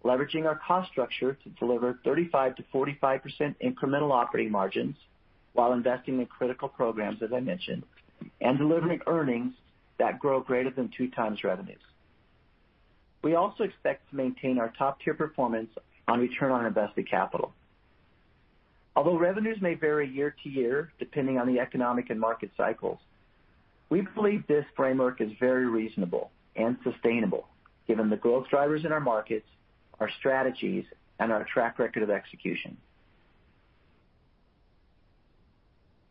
leveraging our cost structure to deliver 35%-45% incremental operating margins while investing in critical programs, as I mentioned, and delivering earnings that grow greater than two times revenues. We also expect to maintain our top-tier performance on return on invested capital. Although revenues may vary year to year depending on the economic and market cycles, we believe this framework is very reasonable and sustainable given the growth drivers in our markets, our strategies, and our track record of execution.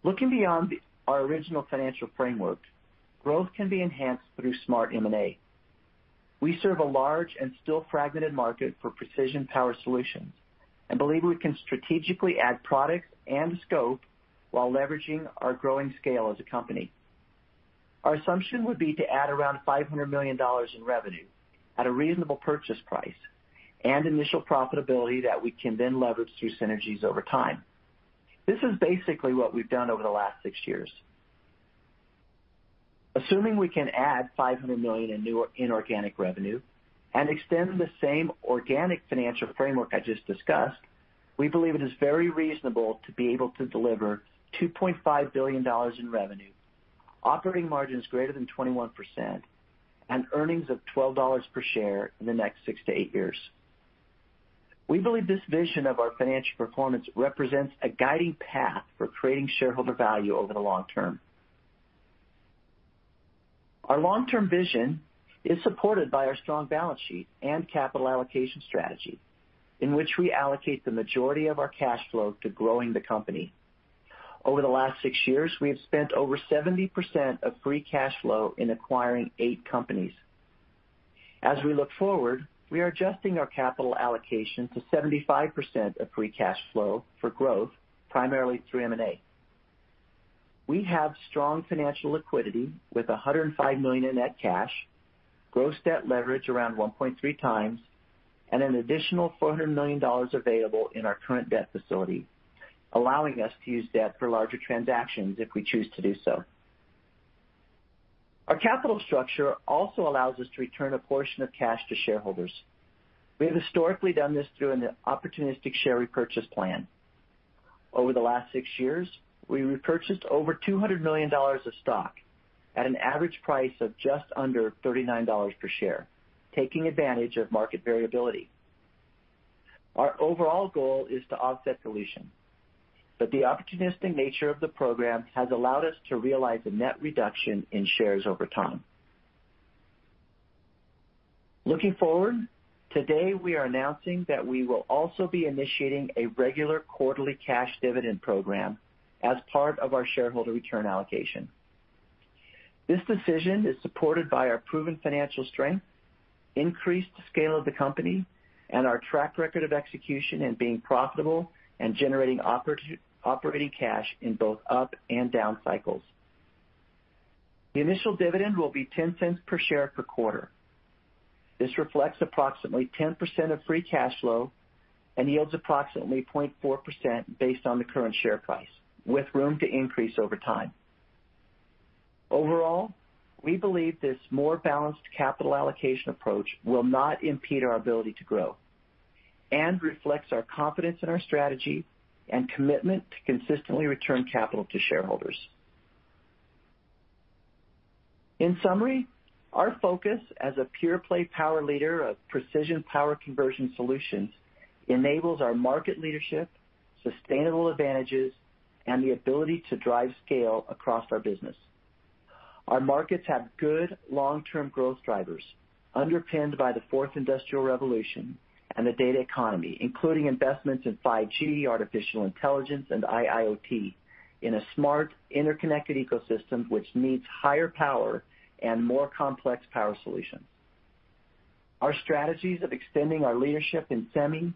Looking beyond our original financial framework, growth can be enhanced through smart M&A. We serve a large and still fragmented market for precision power solutions and believe we can strategically add products and scope while leveraging our growing scale as a company. Our assumption would be to add around $500 million in revenue at a reasonable purchase price and initial profitability that we can then leverage through synergies over time. This is basically what we've done over the last six years. Assuming we can add $500 million in inorganic revenue and extend the same organic financial framework I just discussed, we believe it is very reasonable to be able to deliver $2.5 billion in revenue, operating margins greater than 21%, and earnings of $12 per share in the next 6-8 years. We believe this vision of our financial performance represents a guiding path for creating shareholder value over the long term. Our long-term vision is supported by our strong balance sheet and capital allocation strategy, in which we allocate the majority of our cash flow to growing the company. Over the last six years, we have spent over 70% of free cash flow in acquiring eight companies. As we look forward, we are adjusting our capital allocation to 75% of free cash flow for growth, primarily through M&A. We have strong financial liquidity with $105 million in net cash, gross debt leverage around 1.3 times, and an additional $400 million available in our current debt facility, allowing us to use debt for larger transactions if we choose to do so. Our capital structure also allows us to return a portion of cash to shareholders. We have historically done this through an opportunistic share repurchase plan. Over the last six years, we repurchased over $200 million of stock at an average price of just under $39 per share, taking advantage of market variability. Our overall goal is to offset dilution, but the opportunistic nature of the program has allowed us to realize a net reduction in shares over time. Looking forward, today, we are announcing that we will also be initiating a regular quarterly cash dividend program as part of our shareholder return allocation. This decision is supported by our proven financial strength, increased scale of the company, and our track record of execution in being profitable and generating operating cash in both up and down cycles. The initial dividend will be $0.10 per share per quarter. This reflects approximately 10% of free cash flow and yields approximately 0.4% based on the current share price, with room to increase over time. Overall, we believe this more balanced capital allocation approach will not impede our ability to grow and reflects our confidence in our strategy and commitment to consistently return capital to shareholders. In summary, our focus as a pure-play power leader of precision power conversion solutions enables our market leadership, sustainable advantages, and the ability to drive scale across our business. Our markets have good long-term growth drivers underpinned by the Fourth Industrial Revolution and the data economy, including investments in 5G, artificial intelligence, and IIoT in a smart, interconnected ecosystem which needs higher power and more complex power solutions. Our strategies of extending our leadership in semi,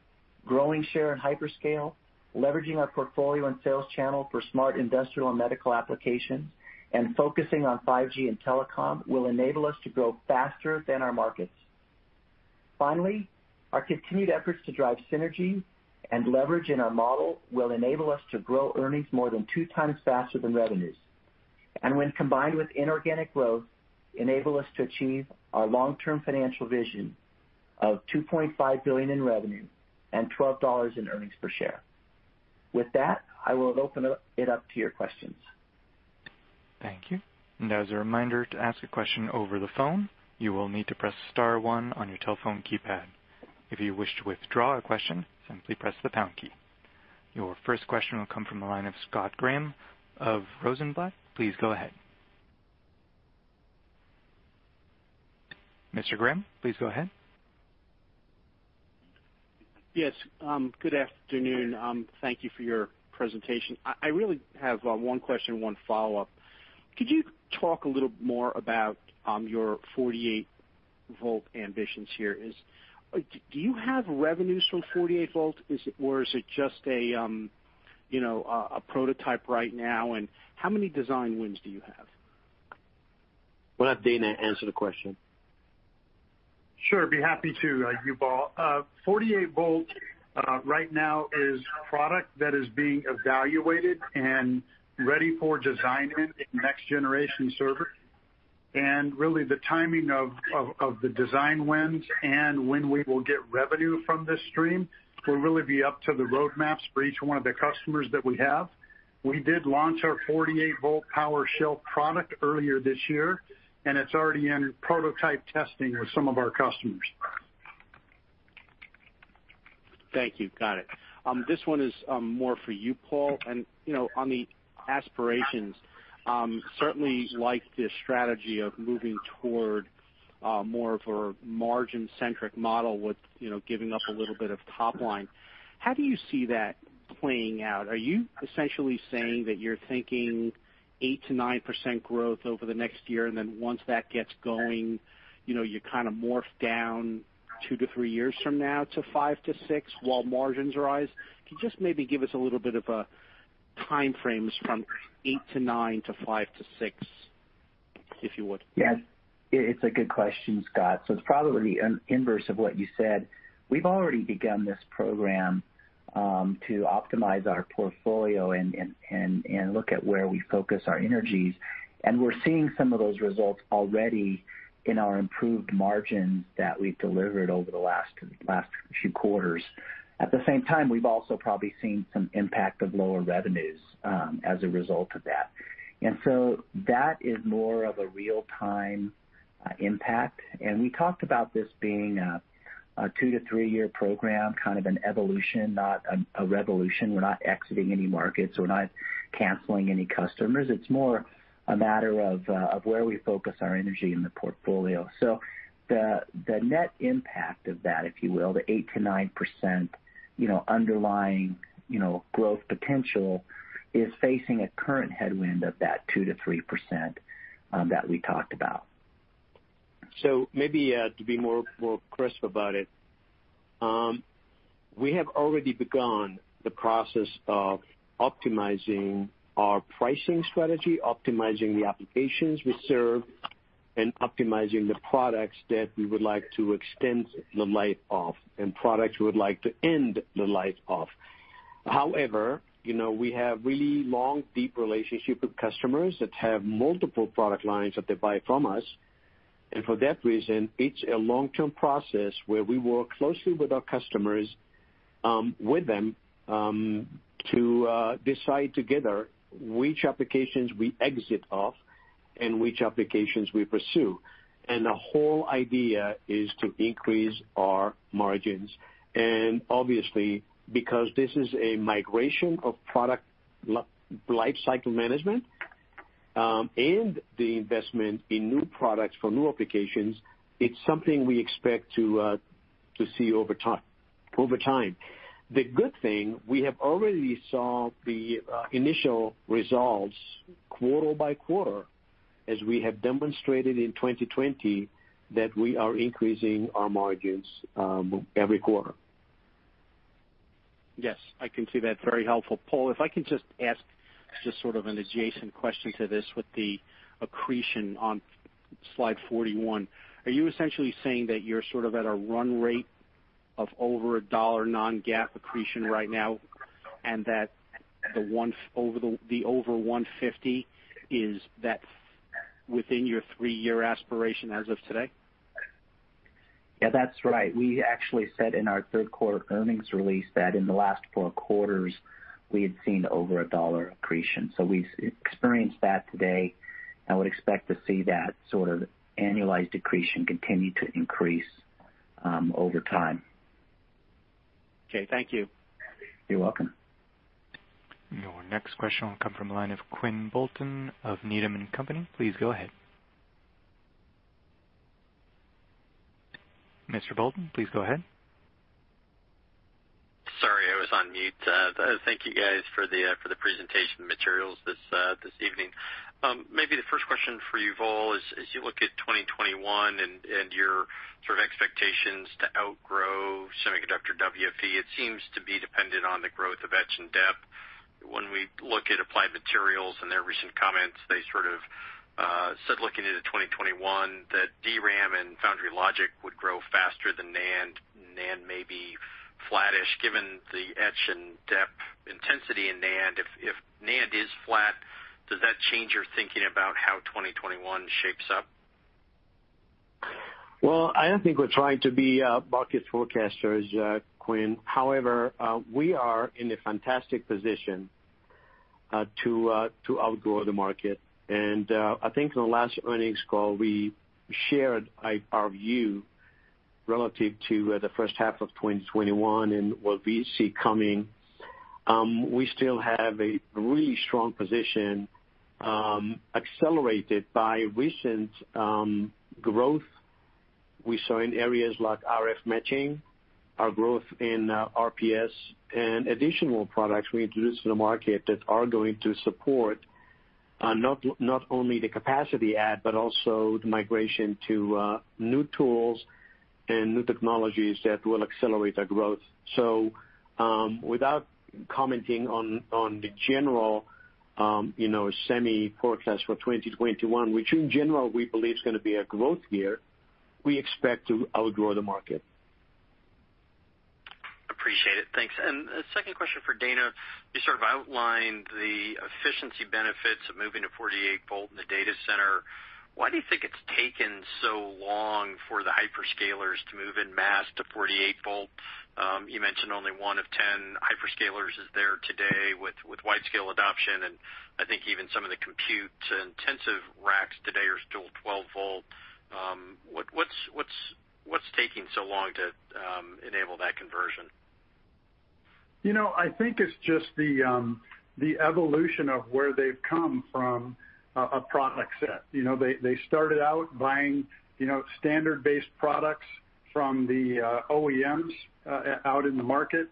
growing share in hyperscale, leveraging our portfolio and sales channel for smart industrial and medical applications, and focusing on 5G and telecom will enable us to grow faster than our markets. Finally, our continued efforts to drive synergy and leverage in our model will enable us to grow earnings more than two times faster than revenues, and when combined with inorganic growth, enable us to achieve our long-term financial vision of $2.5 billion in revenue and $12 in earnings per share. With that, I will open it up to your questions. Thank you. As a reminder, to ask a question over the phone, you will need to press star one on your telephone keypad. If you wish to withdraw a question, simply press the pound key. Your first question will come from the line of Scott Graham of Rosenblatt. Please go ahead. Mr. Graham, please go ahead. Yes. Good afternoon. Thank you for your presentation. I really have one question, one follow-up. Could you talk a little more about your 48V ambitions here? Do you have revenues from 48V? Or is it just a prototype right now, and how many design wins do you have? We'll have Dana answer the question. Sure. Be happy to, Yuval. 48V right now is product that is being evaluated and ready for design win in next generation server. Really, the timing of the design wins and when we will get revenue from this stream will really be up to the roadmaps for each one of the customers that we have. We did launch our 48V power shelf product earlier this year, and it's already in prototype testing with some of our customers. Thank you. Got it. This one is more for you, Paul, on the aspirations, certainly like the strategy of moving toward more of a margin-centric model with giving up a little bit of top line. How do you see that playing out? Are you essentially saying that you're thinking 8%-9% growth over the next year, and then once that gets going, you kind of morph down two-three years from now to 5%-6% while margins rise? Can you just maybe give us a little bit of a time frames from 8%-9% to 5%-6%, if you would? Yes. It's a good question, Scott. It's probably inverse of what you said. We've already begun this program, to optimize our portfolio and look at where we focus our energies. We're seeing some of those results already in our improved margins that we've delivered over the last few quarters. At the same time, we've also probably seen some impact of lower revenues, as a result of that. That is more of a real-time impact. We talked about this being a 2- to 3-year program, kind of an evolution, not a revolution. We're not exiting any markets. We're not canceling any customers. It's more a matter of where we focus our energy in the portfolio. The net impact of that, if you will, the 8%-9% underlying growth potential is facing a current headwind of that 2%-3% that we talked about. Maybe to be more crisp about it, we have already begun the process of optimizing our pricing strategy, optimizing the applications we serve, and optimizing the products that we would like to extend the life of and products we would like to end the life of. We have really long, deep relationship with customers that have multiple product lines that they buy from us. For that reason, it's a long-term process where we work closely with our customers, with them, to decide together which applications we exit off and which applications we pursue. The whole idea is to increase our margins. Obviously, because this is a migration of product life cycle management, and the investment in new products for new applications, it's something we expect to see over time. The good thing, we have already saw the initial results quarter by quarter as we have demonstrated in 2020 that we are increasing our margins every quarter. Yes. I can see that. Very helpful. Paul, if I can just ask just sort of an adjacent question to this with the accretion on slide 41, are you essentially saying that you're sort of at a run rate of over $1 non-GAAP accretion right now, and that the over $1.50 is that within your three-year aspiration as of today? Yeah, that's right. We actually said in our third quarter earnings release that in the last four quarters, we had seen over $1 accretion. We experience that today and would expect to see that sort of annualized accretion continue to increase over time. Okay. Thank you. You're welcome. Your next question will come from the line of Quinn Bolton of Needham & Company. Please go ahead. Mr. Bolton, please go ahead. Sorry, I was on mute. Thank you guys for the presentation materials this evening. Maybe the first question for Yuval is, as you look at 2021 and your sort of expectations to outgrow semiconductor WFE, it seems to be dependent on the growth of etch and dep. When we look at Applied Materials and their recent comments, they sort of said looking into 2021 that DRAM and foundry/logic would grow faster than NAND. NAND may be flattish given the etch and dep intensity in NAND. If NAND is flat, does that change your thinking about how 2021 shapes up? Well, I don't think we're trying to be bucket forecasters, Quinn. However, we are in a fantastic position to outgrow the market. I think in the last earnings call, we shared our view relative to the first half of 2021 and what we see coming. We still have a really strong position accelerated by recent growth we saw in areas like RF matching, our growth in RPS and additional products we introduced in the market that are going to support not only the capacity add, but also the migration to new tools and new technologies that will accelerate our growth. Without commenting on the general semi forecast for 2021, which in general we believe is going to be a growth year, we expect to outgrow the market. Appreciate it. Thanks. A second question for Dana. You sort of outlined the efficiency benefits of moving to 48V in the data center. Why do you think it's taken so long for the hyperscalers to move en masse to 48V? You mentioned only one of 10 hyperscalers is there today with widescale adoption, and I think even some of the compute-intensive racks today are still 12V. What's taking so long to enable that conversion? I think it's just the evolution of where they've come from a product set. They started out buying standard-based products from the OEMs out in the market,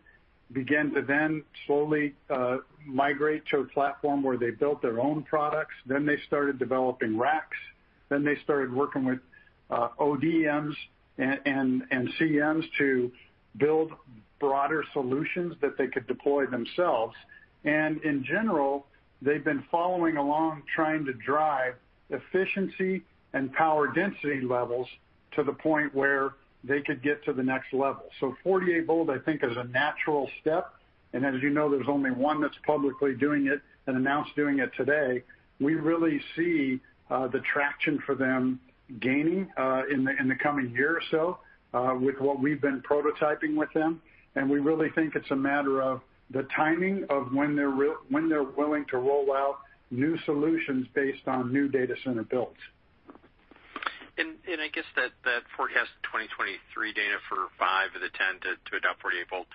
began to then slowly migrate to a platform where they built their own products. They started developing racks. They started working with ODMs and CMs to build broader solutions that they could deploy themselves. In general, they've been following along, trying to drive efficiency and power density levels to the point where they could get to the next level. 48V, I think, is a natural step, and as you know, there's only one that's publicly doing it and announced doing it today. We really see the traction for them gaining in the coming year or so, with what we've been prototyping with them. We really think it's a matter of the timing of when they're willing to roll out new solutions based on new data center builds. I guess that forecast to 2023, Dana, for five of the 10 to adopt 48V,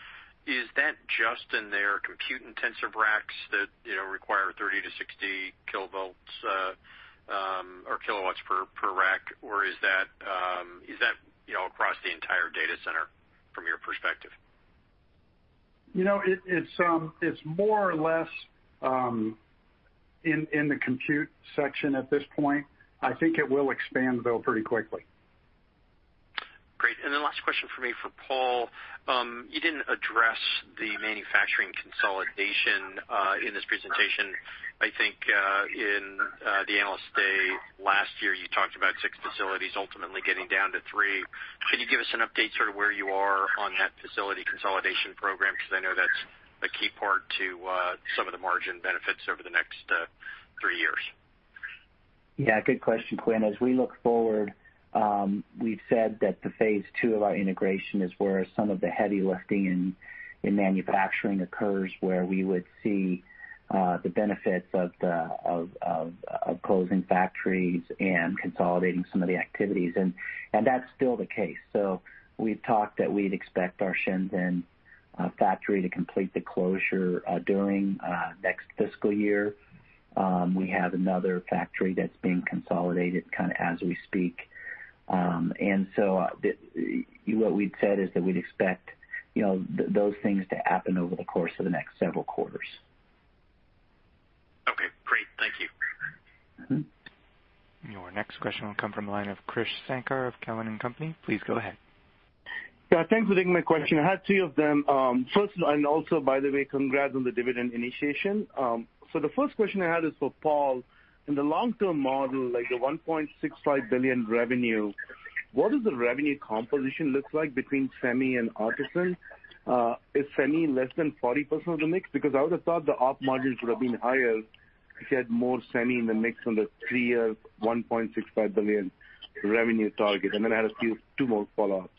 is that just in their compute-intensive racks that require 30 kW/rack-60 kW/rack, or is that across the entire data center from your perspective? It's more or less in the compute section at this point. I think it will expand, though, pretty quickly. Great. Last question from me for Paul. You didn't address the manufacturing consolidation in this presentation. I think in the Analyst Day last year, you talked about six facilities ultimately getting down to three. Could you give us an update sort of where you are on that facility consolidation program? I know that's a key part to some of the margin benefits over the next three years. Yeah, good question, Quinn. As we look forward, we've said that the phase 2 of our integration is where some of the heavy lifting in manufacturing occurs, where we would see the benefits of closing factories and consolidating some of the activities. That's still the case. We've talked that we'd expect our Shenzhen factory to complete the closure during next fiscal year. We have another factory that's being consolidated kind of as we speak. What we'd said is that we'd expect those things to happen over the course of the next several quarters. Okay, great. Thank you. Your next question will come from the line of Krish Sankar of Cowen and Company. Please go ahead. Thanks for taking my question. I had two of them. Congrats on the dividend initiation. The first question I had is for Paul. In the long-term model, like the $1.65 billion revenue, what does the revenue composition look like between semi and Artesyn? Is semi less than 40% of the mix? Because I would have thought the op margins would have been higher if you had more semi in the mix on the three-year $1.65 billion revenue target. I had two more follow-ups.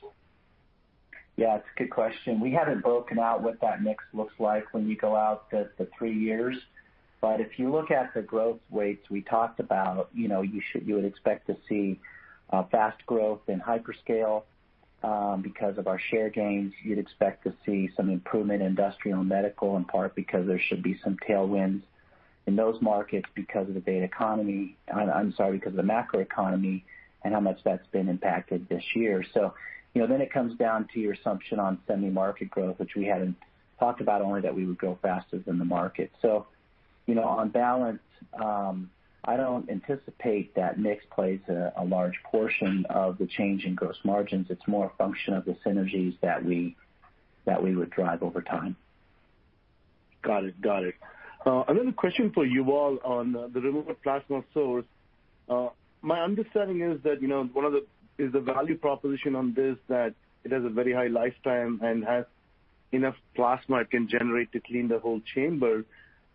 Yeah, it's a good question. We haven't broken out what that mix looks like when you go out the three years. If you look at the growth rates we talked about, you would expect to see fast growth in hyperscale because of our share gains. You'd expect to see some improvement in industrial and medical, in part because there should be some tailwinds in those markets because of the macroeconomy and how much that's been impacted this year. It comes down to your assumption on semi market growth, which we hadn't talked about, only that we would grow faster than the market. On balance, I don't anticipate that mix plays a large portion of the change in gross margins. It's more a function of the synergies that we would drive over time. Got it. Another question for you, Paul, on the remote plasma source. My understanding is that one of the value proposition on this, that it has a very high lifetime and has enough plasma it can generate to clean the whole chamber,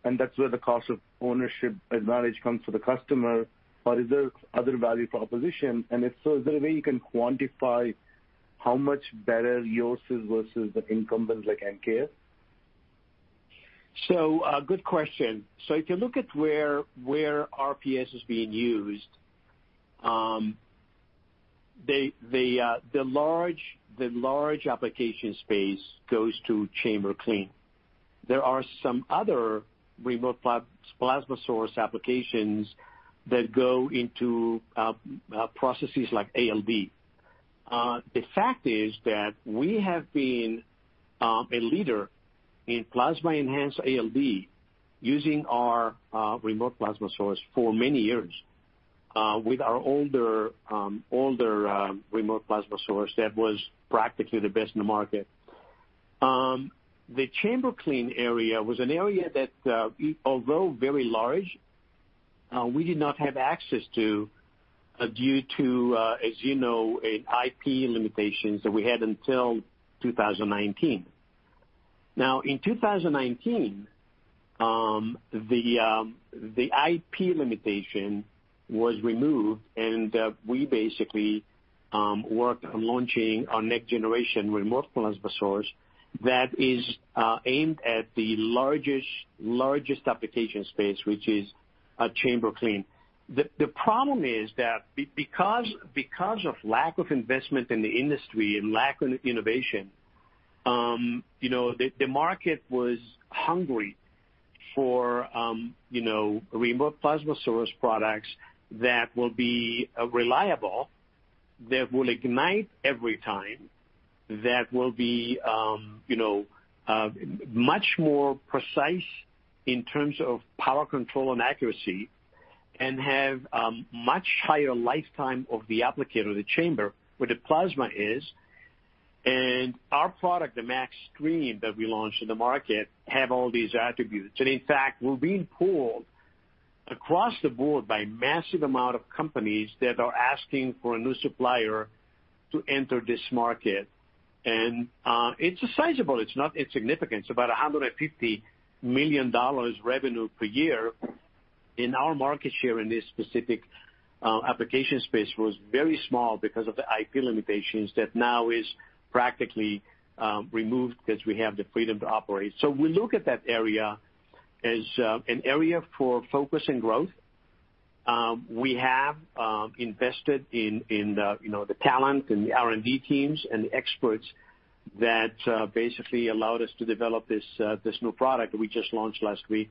and that's where the cost of ownership advantage comes for the customer, or is there other value proposition? If so, is there a way you can quantify how much better yours is versus the incumbents like MKS? Good question. If you look at where RPS is being used, the large application space goes to chamber clean. There are some other remote plasma source applications that go into processes like ALD. The fact is that we have been a leader in plasma-enhanced ALD using our remote plasma source for many years with our older remote plasma source that was practically the best in the market. The chamber clean area was an area that, although very large, we did not have access to due to, as you know, IP limitations that we had until 2019. In 2019, the IP limitation was removed, and we basically worked on launching our next generation remote plasma source that is aimed at the largest application space, which is chamber clean. The problem is that because of lack of investment in the industry and lack of innovation, the market was hungry for remote plasma source products that will be reliable, that will ignite every time, that will be much more precise in terms of power control and accuracy, and have much higher lifetime of the applicator of the chamber where the plasma is. Our product, the MAXstream, that we launched in the market, have all these attributes. In fact, we're being pulled across the board by massive amount of companies that are asking for a new supplier to enter this market. It's sizable, it's not insignificant. It's about $150 million revenue per year, and our market share in this specific application space was very small because of the IP limitations that now is practically removed because we have the freedom to operate. We look at that area as an area for focus and growth. We have invested in the talent and the R&D teams and the experts that basically allowed us to develop this new product we just launched last week,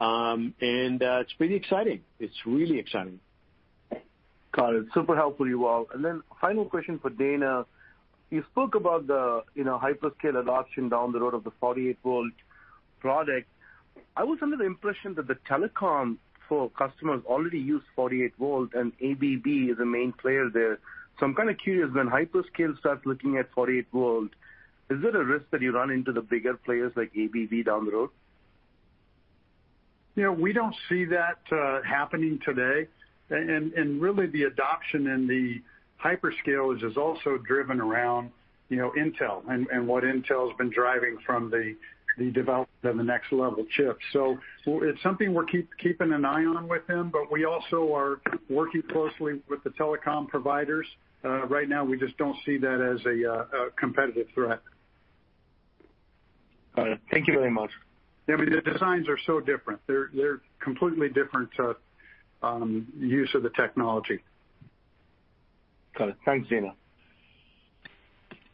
and it's pretty exciting. It's really exciting. Got it. Super helpful, Yuval. Final question for Dana. You spoke about the hyperscale adoption down the road of the 48V product. I was under the impression that the telecom for customers already use 48V, and ABB is a main player there. I'm kind of curious, when hyperscale starts looking at 48V, is it a risk that you run into the bigger players like ABB down the road? We don't see that happening today. Really the adoption in the hyperscale is also driven around Intel and what Intel's been driving from the development of the next level chip. It's something we're keeping an eye on with them, but we also are working closely with the telecom providers. Right now, we just don't see that as a competitive threat. Got it. Thank you very much. I mean, the designs are so different. They're completely different use of the technology. Got it. Thanks, Dana.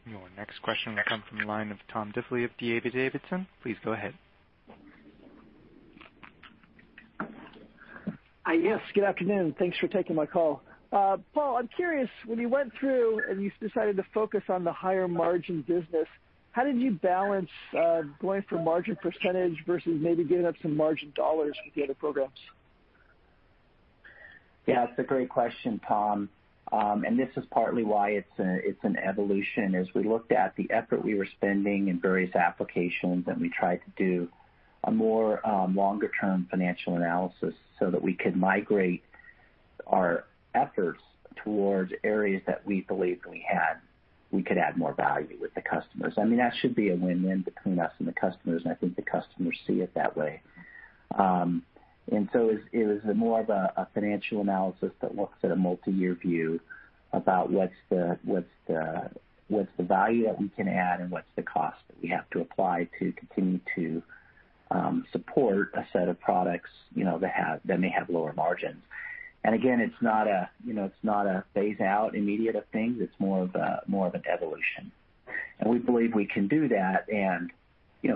Your next question will come from the line of Tom Diffely of D.A. Davidson. Please go ahead. Yes, good afternoon. Thanks for taking my call. Paul, I'm curious, when you went through and you decided to focus on the higher margin business, how did you balance going for margin percentage versus maybe giving up some margin dollars for the other programs? Yeah, it's a great question, Tom. This is partly why it's an evolution. As we looked at the effort we were spending in various applications, and we tried to do a more longer-term financial analysis so that we could migrate our efforts towards areas that we believed we could add more value with the customers. I mean, that should be a win-win between us and the customers, and I think the customers see it that way. It was more of a financial analysis that looks at a multiyear view about what's the value that we can add and what's the cost that we have to apply to continue to support a set of products that may have lower margins. Again, it's not a phase out immediate of things. It's more of an evolution. We believe we can do that and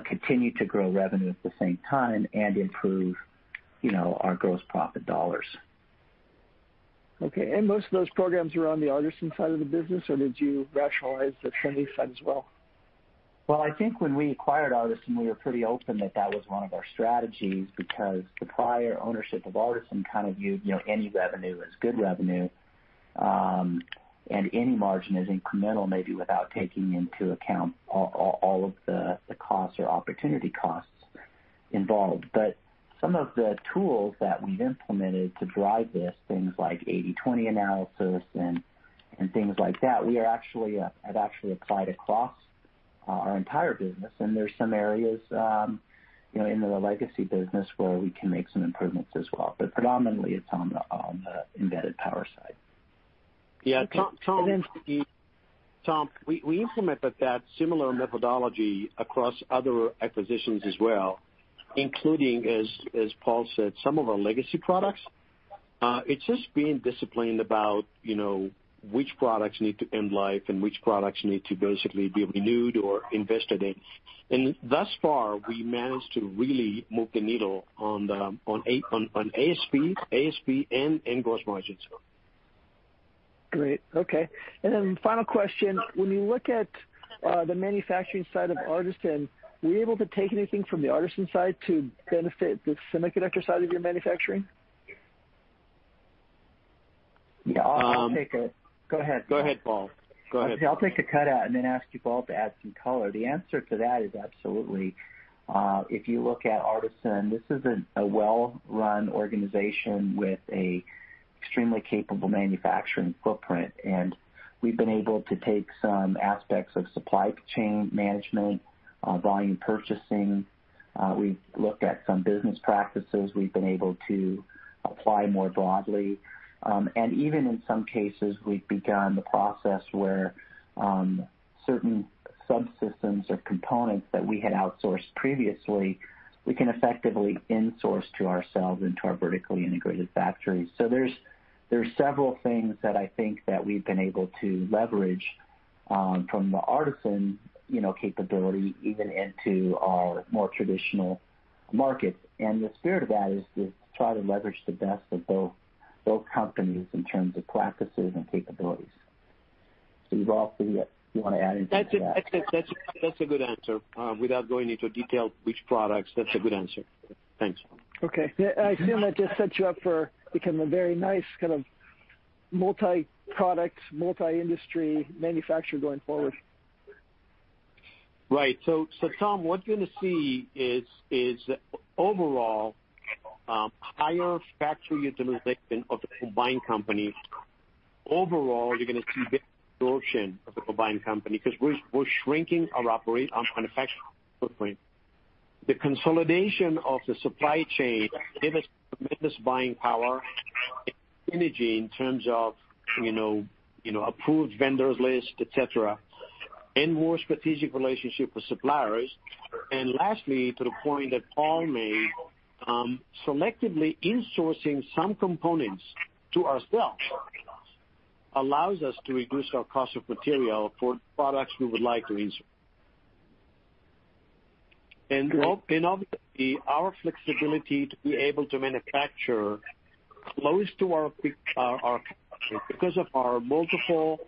continue to grow revenue at the same time and improve our gross profit dollars. Okay, most of those programs are on the Artesyn side of the business, or did you rationalize the semi side as well? Well, I think when we acquired Artesyn, we were pretty open that that was one of our strategies, because the prior ownership of Artesyn kind of viewed any revenue as good revenue, and any margin as incremental, maybe without taking into account all of the costs or opportunity costs involved. Some of the tools that we've implemented to drive this, things like 80/20 analysis and things like that, we have actually applied across our entire business, and there's some areas in the legacy business where we can make some improvements as well, but predominantly it's on the embedded power side. Yeah. Tom. And then- Tom, we implemented that similar methodology across other acquisitions as well, including, as Paul said, some of our legacy products. It's just being disciplined about which products need to end life and which products need to basically be renewed or invested in. Thus far, we managed to really move the needle on ASP and gross margins. Great. Okay. Then final question. When you look at the manufacturing side of Artesyn, were you able to take anything from the Artesyn side to benefit the semiconductor side of your manufacturing? Yeah. I'll take it. Go ahead. Go ahead, Paul. Go ahead. I'll take a cut out and then ask you both to add some color. The answer to that is absolutely. If you look at Artesyn, this is a well-run organization with a extremely capable manufacturing footprint, and we've been able to take some aspects of supply chain management, volume purchasing. We've looked at some business practices we've been able to apply more broadly. Even in some cases, we've begun the process where certain subsystems or components that we had outsourced previously, we can effectively in-source to ourselves into our vertically integrated factories. There's several things that I think that we've been able to leverage from the Artesyn capability even into our more traditional markets. The spirit of that is to try to leverage the best of both companies in terms of practices and capabilities. You both want to add into that? That's a good answer. Without going into detail which products, that's a good answer. Thanks. Okay. I assume that just sets you up for become a very nice kind of multi-product, multi-industry manufacturer going forward. Right. Tom, what you're going to see is overall, higher factory utilization of the combined company. Overall, you're going to see better absorption of the combined company because we're shrinking our operation on manufacturing footprint. The consolidation of the supply chain gave us tremendous buying power and synergy in terms of approved vendors list, et cetera, and more strategic relationship with suppliers. Lastly, to the point that Paul made, selectively insourcing some components to ourselves allows us to reduce our cost of material for products we would like to insource. Obviously, our flexibility to be able to manufacture close to our customers because of our multiple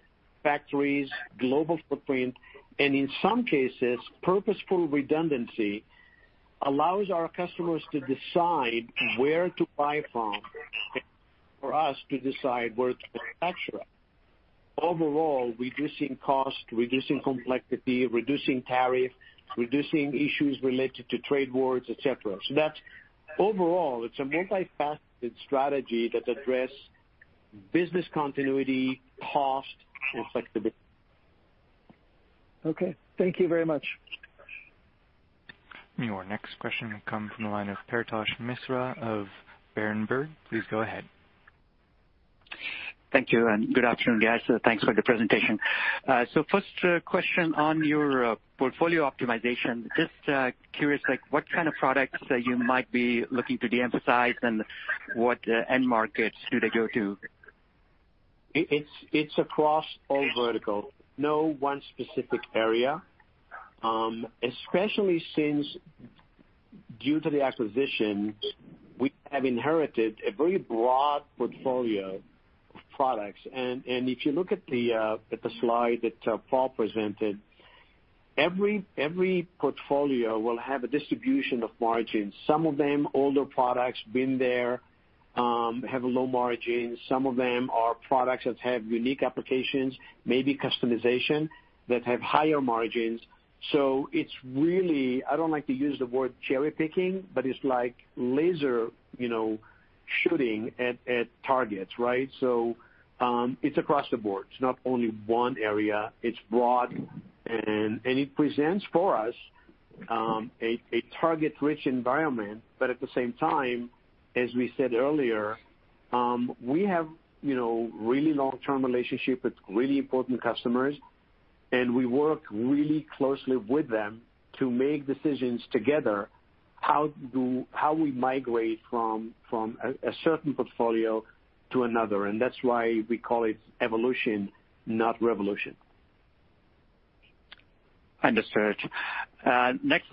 factories, global footprint, and in some cases, purposeful redundancy allows our customers to decide where to buy from and for us to decide where to manufacture. Overall, reducing cost, reducing complexity, reducing tariff, reducing issues related to trade wars, et cetera. That overall, it's a multifaceted strategy that addresses business continuity, cost, and flexibility. Okay. Thank you very much. Your next question comes from the line of Paretosh Misra of Berenberg. Please go ahead. Thank you, good afternoon, guys. Thanks for the presentation. First question on your portfolio optimization. Just curious, like what kind of products that you might be looking to de-emphasize and what end markets do they go to? It's across all vertical. No one specific area. Especially since due to the acquisition, we have inherited a very broad portfolio of products. If you look at the slide that Paul presented, every portfolio will have a distribution of margins. Some of them, older products, been there, have a low margin. Some of them are products that have unique applications, maybe customization, that have higher margins. It's really, I don't like to use the word cherry-picking, but it's like laser shooting at targets, right. It's across the board. It's not only one area. It's broad, and it presents for us, a target-rich environment. At the same time, as we said earlier, we have really long-term relationship with really important customers, and we work really closely with them to make decisions together how we migrate from a certain portfolio to another. That's why we call it evolution, not revolution. Understood. Next,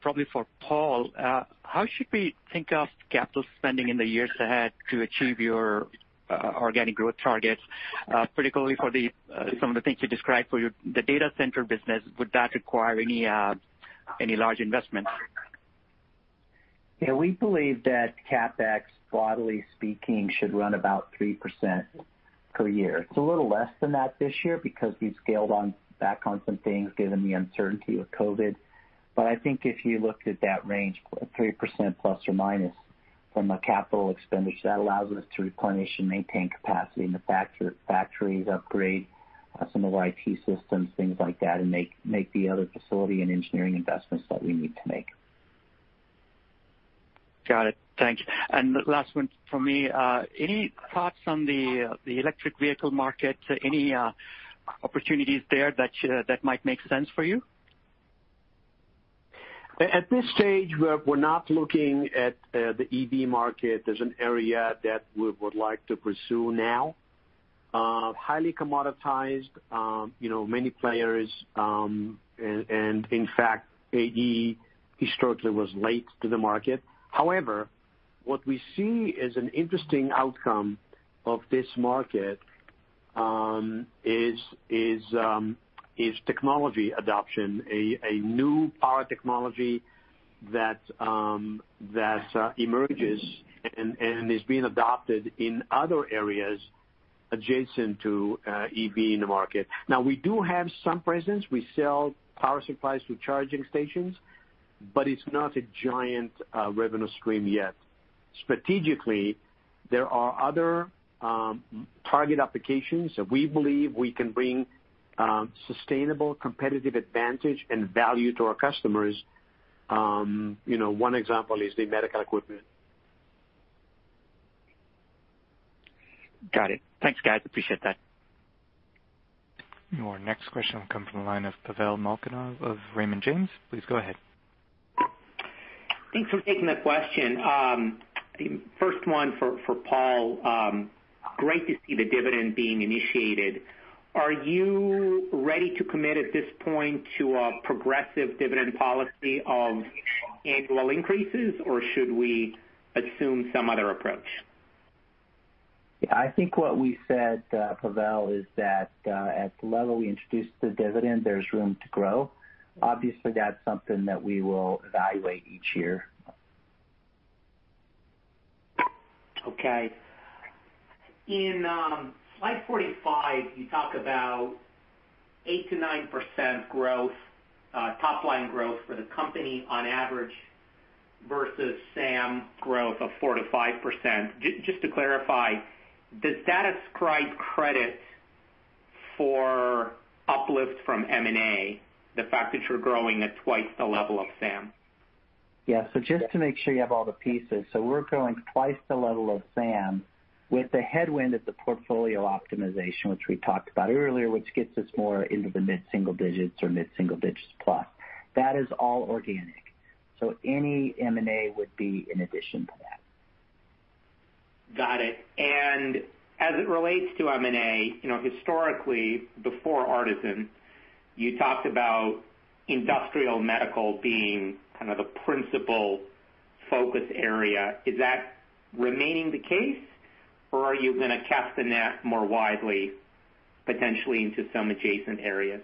probably for Paul. How should we think of capital spending in the years ahead to achieve your organic growth targets? Particularly for some of the things you described for the data center business, would that require any large investments? Yeah. We believe that CapEx, broadly speaking, should run about 3% per year. It's a little less than that this year because we scaled back on some things given the uncertainty with COVID. I think if you looked at that range, 3% plus or minus. From a capital expenditure, that allows us to replenish and maintain capacity in the factories, upgrade some of the IT systems, things like that, and make the other facility and engineering investments that we need to make. Got it. Thank you. Last one from me. Any thoughts on the electric vehicle market? Any opportunities there that might make sense for you? At this stage, we're not looking at the EV market as an area that we would like to pursue now. Highly commoditized, many players, and in fact, AE historically was late to the market. However, what we see as an interesting outcome of this market is technology adoption, a new power technology that emerges and is being adopted in other areas adjacent to EV in the market. Now, we do have some presence. We sell power supplies to charging stations, but it's not a giant revenue stream yet. Strategically, there are other target applications that we believe we can bring sustainable competitive advantage and value to our customers. One example is the medical equipment. Got it. Thanks, guys. Appreciate that. Our next question will come from the line of Pavel Molchanov of Raymond James. Please go ahead. Thanks for taking the question. First one for Paul. Great to see the dividend being initiated. Are you ready to commit at this point to a progressive dividend policy of annual increases, or should we assume some other approach? Yeah, I think what we said, Pavel, is that at the level we introduced the dividend, there's room to grow. Obviously, that's something that we will evaluate each year. Okay. In slide 45, you talk about 8%-9% growth, top line growth for the company on average versus SAM growth of 4%-5%. Just to clarify, does that ascribe credit for uplift from M&A, the fact that you're growing at twice the level of SAM? Just to make sure you have all the pieces. We're growing 2x the level of SAM with the headwind at the portfolio optimization, which we talked about earlier, which gets us more into the mid-single digits or mid-single digits plus. That is all organic. Any M&A would be in addition to that. Got it. As it relates to M&A, historically, before Artesyn, you talked about industrial medical being kind of the principal focus area. Is that remaining the case, or are you going to cast the net more widely, potentially into some adjacent areas?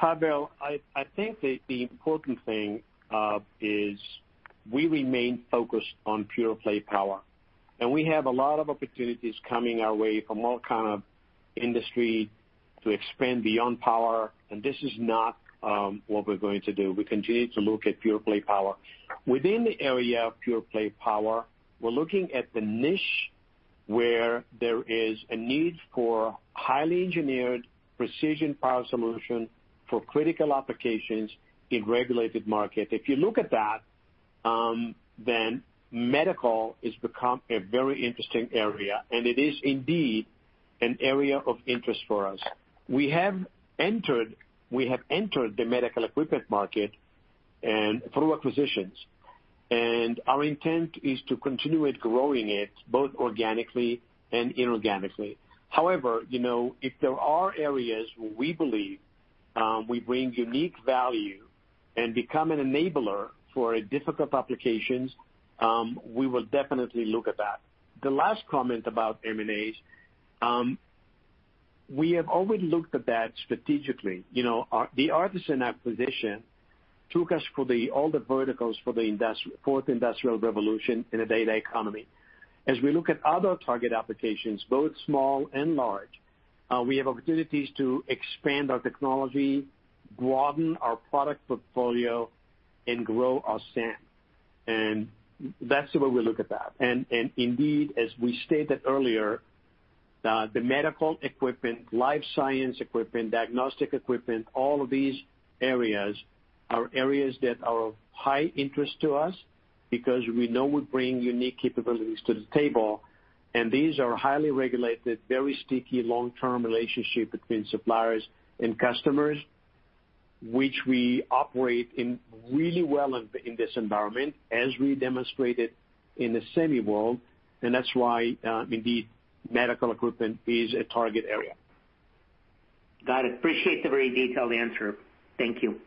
Pavel, I think that the important thing is we remain focused on pure play power. We have a lot of opportunities coming our way from all kind of industry to expand beyond power. This is not what we're going to do. We continue to look at pure play power. Within the area of pure play power, we're looking at the niche where there is a need for highly engineered precision power solution for critical applications in regulated market. If you look at that, then medical is become a very interesting area. It is indeed an area of interest for us. We have entered the medical equipment market through acquisitions, and our intent is to continue with growing it, both organically and inorganically. However, if there are areas where we believe we bring unique value and become an enabler for difficult applications, we will definitely look at that. The last comment about M&As, we have always looked at that strategically. The Artesyn acquisition took us for all the verticals for the Fourth Industrial Revolution in a data economy. As we look at other target applications, both small and large, we have opportunities to expand our technology, broaden our product portfolio, and grow our SAM. That's the way we look at that. Indeed, as we stated earlier, the medical equipment, life science equipment, diagnostic equipment, all of these areas are areas that are of high interest to us because we know we bring unique capabilities to the table, and these are highly regulated, very sticky, long-term relationship between suppliers and customers, which we operate in really well in this environment, as we demonstrated in the semi world, and that's why, indeed, medical equipment is a target area. Got it. Appreciate the very detailed answer. Thank you.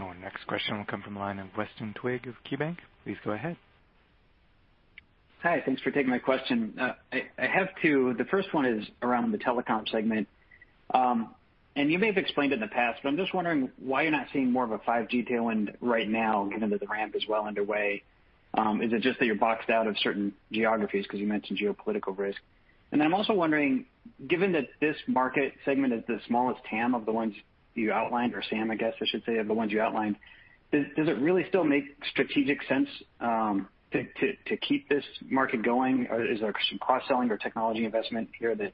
Our next question will come from the line of Weston Twigg of KeyBanc. Please go ahead. Hi. Thanks for taking my question. I have two. The first one is around the telecom segment. You may have explained it in the past, but I'm just wondering why you're not seeing more of a 5G tailwind right now, given that the ramp is well underway. Is it just that you're boxed out of certain geographies because you mentioned geopolitical risk? I'm also wondering, given that this market segment is the smallest TAM of the ones you outlined, or SAM, I guess I should say, of the ones you outlined, does it really still make strategic sense to keep this market going? Is there some cross-selling or technology investment here that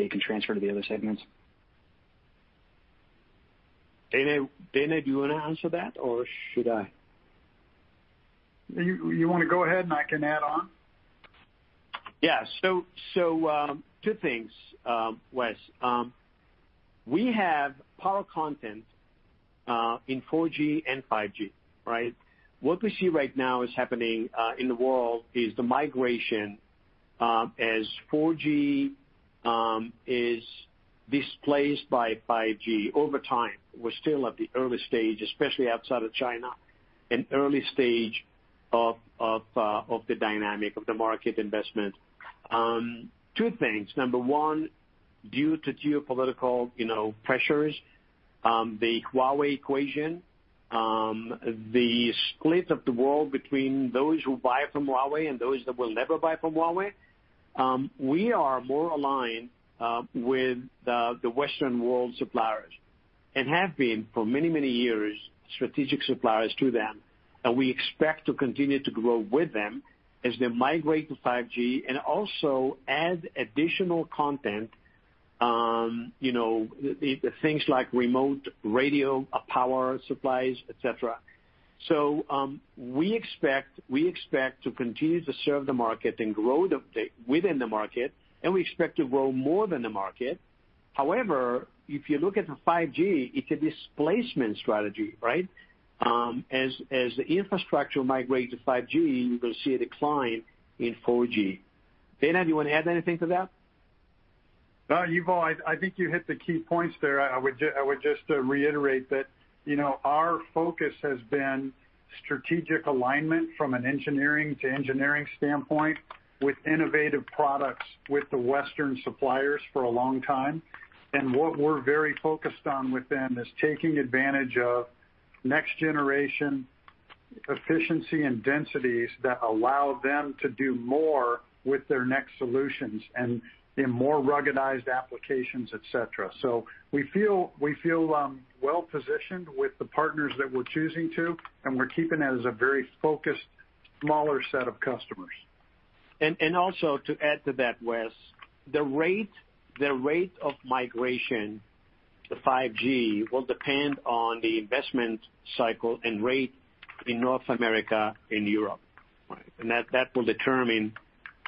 you can transfer to the other segments? Dana, do you want to answer that, or should I? You want to go ahead and I can add on? Yeah. Two things, Wes. We have power content in 4G and 5G, right? What we see right now is happening in the world is the migration as 4G is displaced by 5G over time. We're still at the early stage, especially outside of China, an early stage of the dynamic of the market investment. Two things. Number 1, due to geopolitical pressures, the Huawei equation, the split of the world between those who buy from Huawei and those that will never buy from Huawei, we are more aligned with the Western world suppliers and have been for many, many years, strategic suppliers to them, and we expect to continue to grow with them as they migrate to 5G and also add additional content, things like remote radio, power supplies, et cetera. We expect to continue to serve the market and grow within the market, and we expect to grow more than the market. However, if you look at the 5G, it's a displacement strategy, right? As the infrastructure migrate to 5G, you're going to see a decline in 4G. Dana, do you want to add anything to that? No, Yuval, I think you hit the key points there. I would just reiterate that our focus has been strategic alignment from an engineering to engineering standpoint with innovative products with the Western suppliers for a long time. What we're very focused on with them is taking advantage of next generation efficiency and densities that allow them to do more with their next solutions and in more ruggedized applications, et cetera. We feel well-positioned with the partners that we're choosing to, and we're keeping it as a very focused, smaller set of customers. Also to add to that, Wes, the rate of migration to 5G will depend on the investment cycle and rate in North America and Europe. Right. That will determine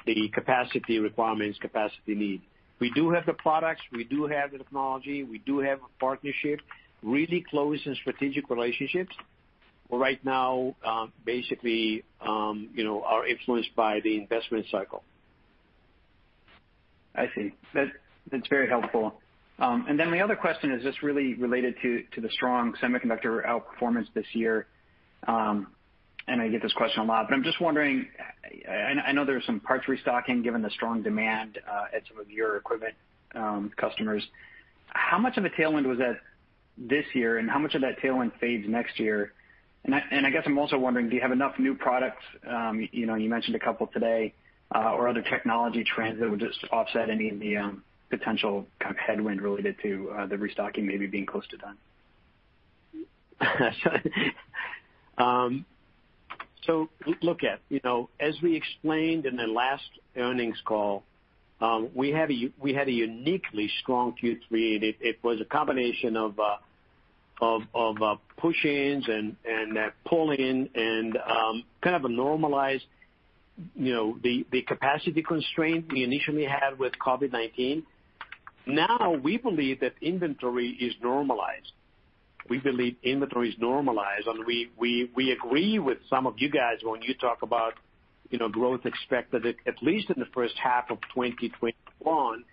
the capacity requirements, capacity need. We do have the products, we do have the technology, we do have a partnership, really close and strategic relationships. Right now, basically, are influenced by the investment cycle. I see. That's very helpful. Then my other question is just really related to the strong semiconductor outperformance this year. I get this question a lot, I'm just wondering, I know there's some parts restocking given the strong demand at some of your equipment customers. How much of a tailwind was that this year, how much of that tailwind fades next year? I guess I'm also wondering, do you have enough new products, you mentioned a couple today, or other technology trends that would just offset any of the potential kind of headwind related to the restocking maybe being close to done? Look, as we explained in the last earnings call, we had a uniquely strong Q3, and it was a combination of push-ins and pull-in and kind of a normalized, the capacity constraint we initially had with COVID-19. We believe that inventory is normalized, and we agree with some of you guys when you talk about growth expected, at least in the first half of 2021,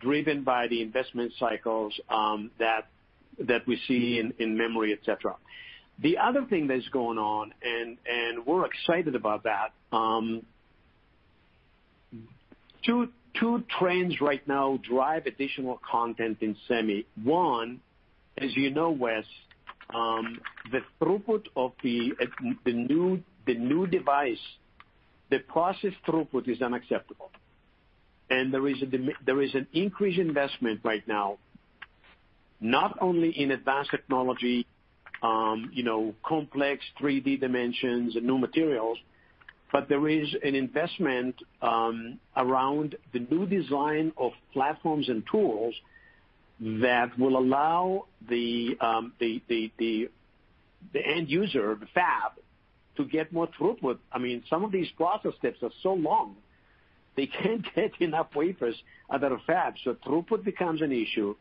driven by the investment cycles that we see in memory, et cetera. The other thing that's going on, and we're excited about that, two trends right now drive additional content in semi. One, as you know Wes, the throughput of the new device, the process throughput is unacceptable. There is an increased investment right now, not only in advanced technology, complex 3D dimensions and new materials, but there is an investment around the new design of platforms and tools that will allow the end user, the fab, to get more throughput. I mean, some of these process steps are so long, they can't get enough wafers out of the fab. Throughput becomes an issue,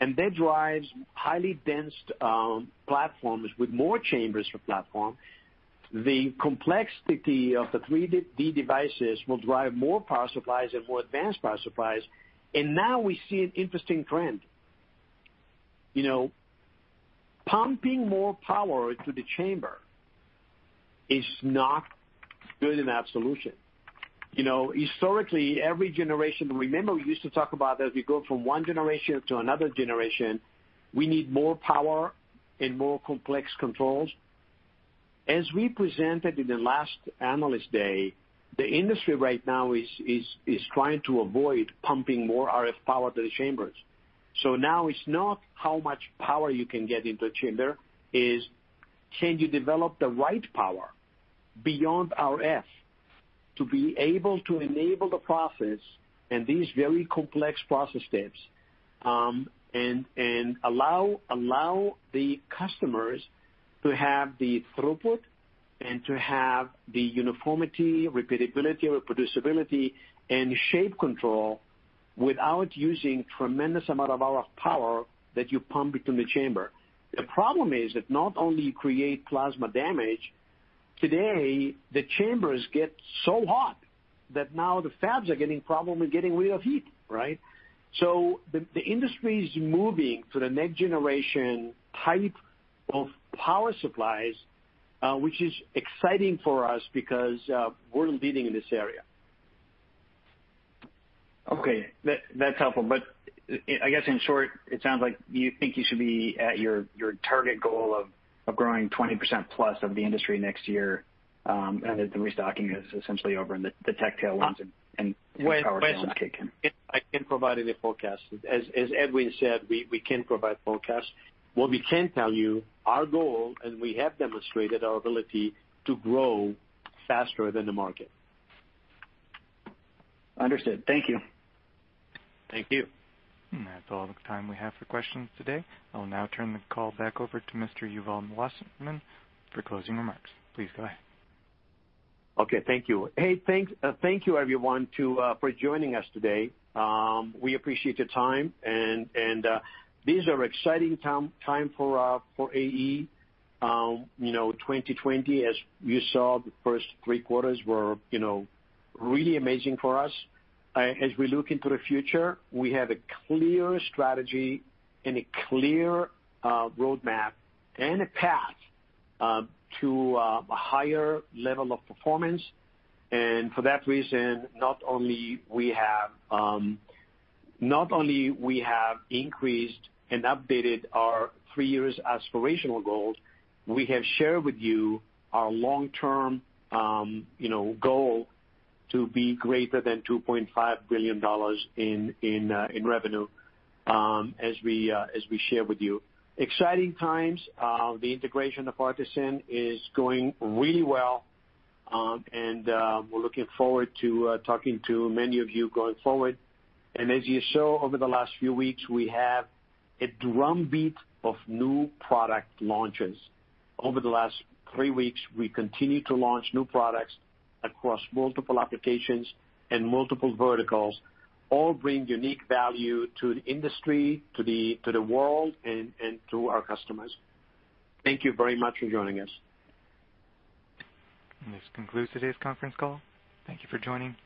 and that drives highly dense platforms with more chambers per platform. The complexity of the 3D devices will drive more power supplies and more advanced power supplies. Now we see an interesting trend. Pumping more power into the chamber is not good enough solution. Historically, every generation, remember we used to talk about as we go from one generation to another generation, we need more power and more complex controls. As we presented in the last analyst day, the industry right now is trying to avoid pumping more RF power to the chambers. Now it's not how much power you can get into a chamber, it's can you develop the right power beyond RF to be able to enable the process and these very complex process steps, and allow the customers to have the throughput and to have the uniformity, repeatability, reproducibility, and shape control without using tremendous amount of RF power that you pump into the chamber. The problem is that not only you create plasma damage, today the chambers get so hot that now the fabs are getting problem with getting rid of heat, right? The industry is moving to the next generation type of power supplies, which is exciting for us because, we're leading in this area. Okay. That's helpful. I guess in short, it sounds like you think you should be at your target goal of growing 20%+ of the industry next year, and that the restocking is essentially over and the tech tailwinds and power tailwinds kick in. I can't provide any forecast. As Edwin said, we can't provide forecast. What we can tell you, our goal, and we have demonstrated our ability to grow faster than the market. Understood. Thank you. Thank you. That's all the time we have for questions today. I'll now turn the call back over to Mr. Yuval Wasserman for closing remarks. Please go ahead. Okay. Thank you. Hey, thank you everyone for joining us today. We appreciate the time. These are exciting times for AE. 2020, as you saw, the first three quarters were really amazing for us. As we look into the future, we have a clear strategy and a clear roadmap and a path to a higher level of performance. For that reason, not only we have increased and updated our three years aspirational goals, we have shared with you our long-term goal to be greater than $2.5 billion in revenue, as we share with you. Exciting times. The integration of Artesyn is going really well. We're looking forward to talking to many of you going forward. As you saw over the last few weeks, we have a drumbeat of new product launches. Over the last three weeks, we continue to launch new products across multiple applications and multiple verticals. All bring unique value to the industry, to the world, and to our customers. Thank you very much for joining us. This concludes today's conference call. Thank you for joining.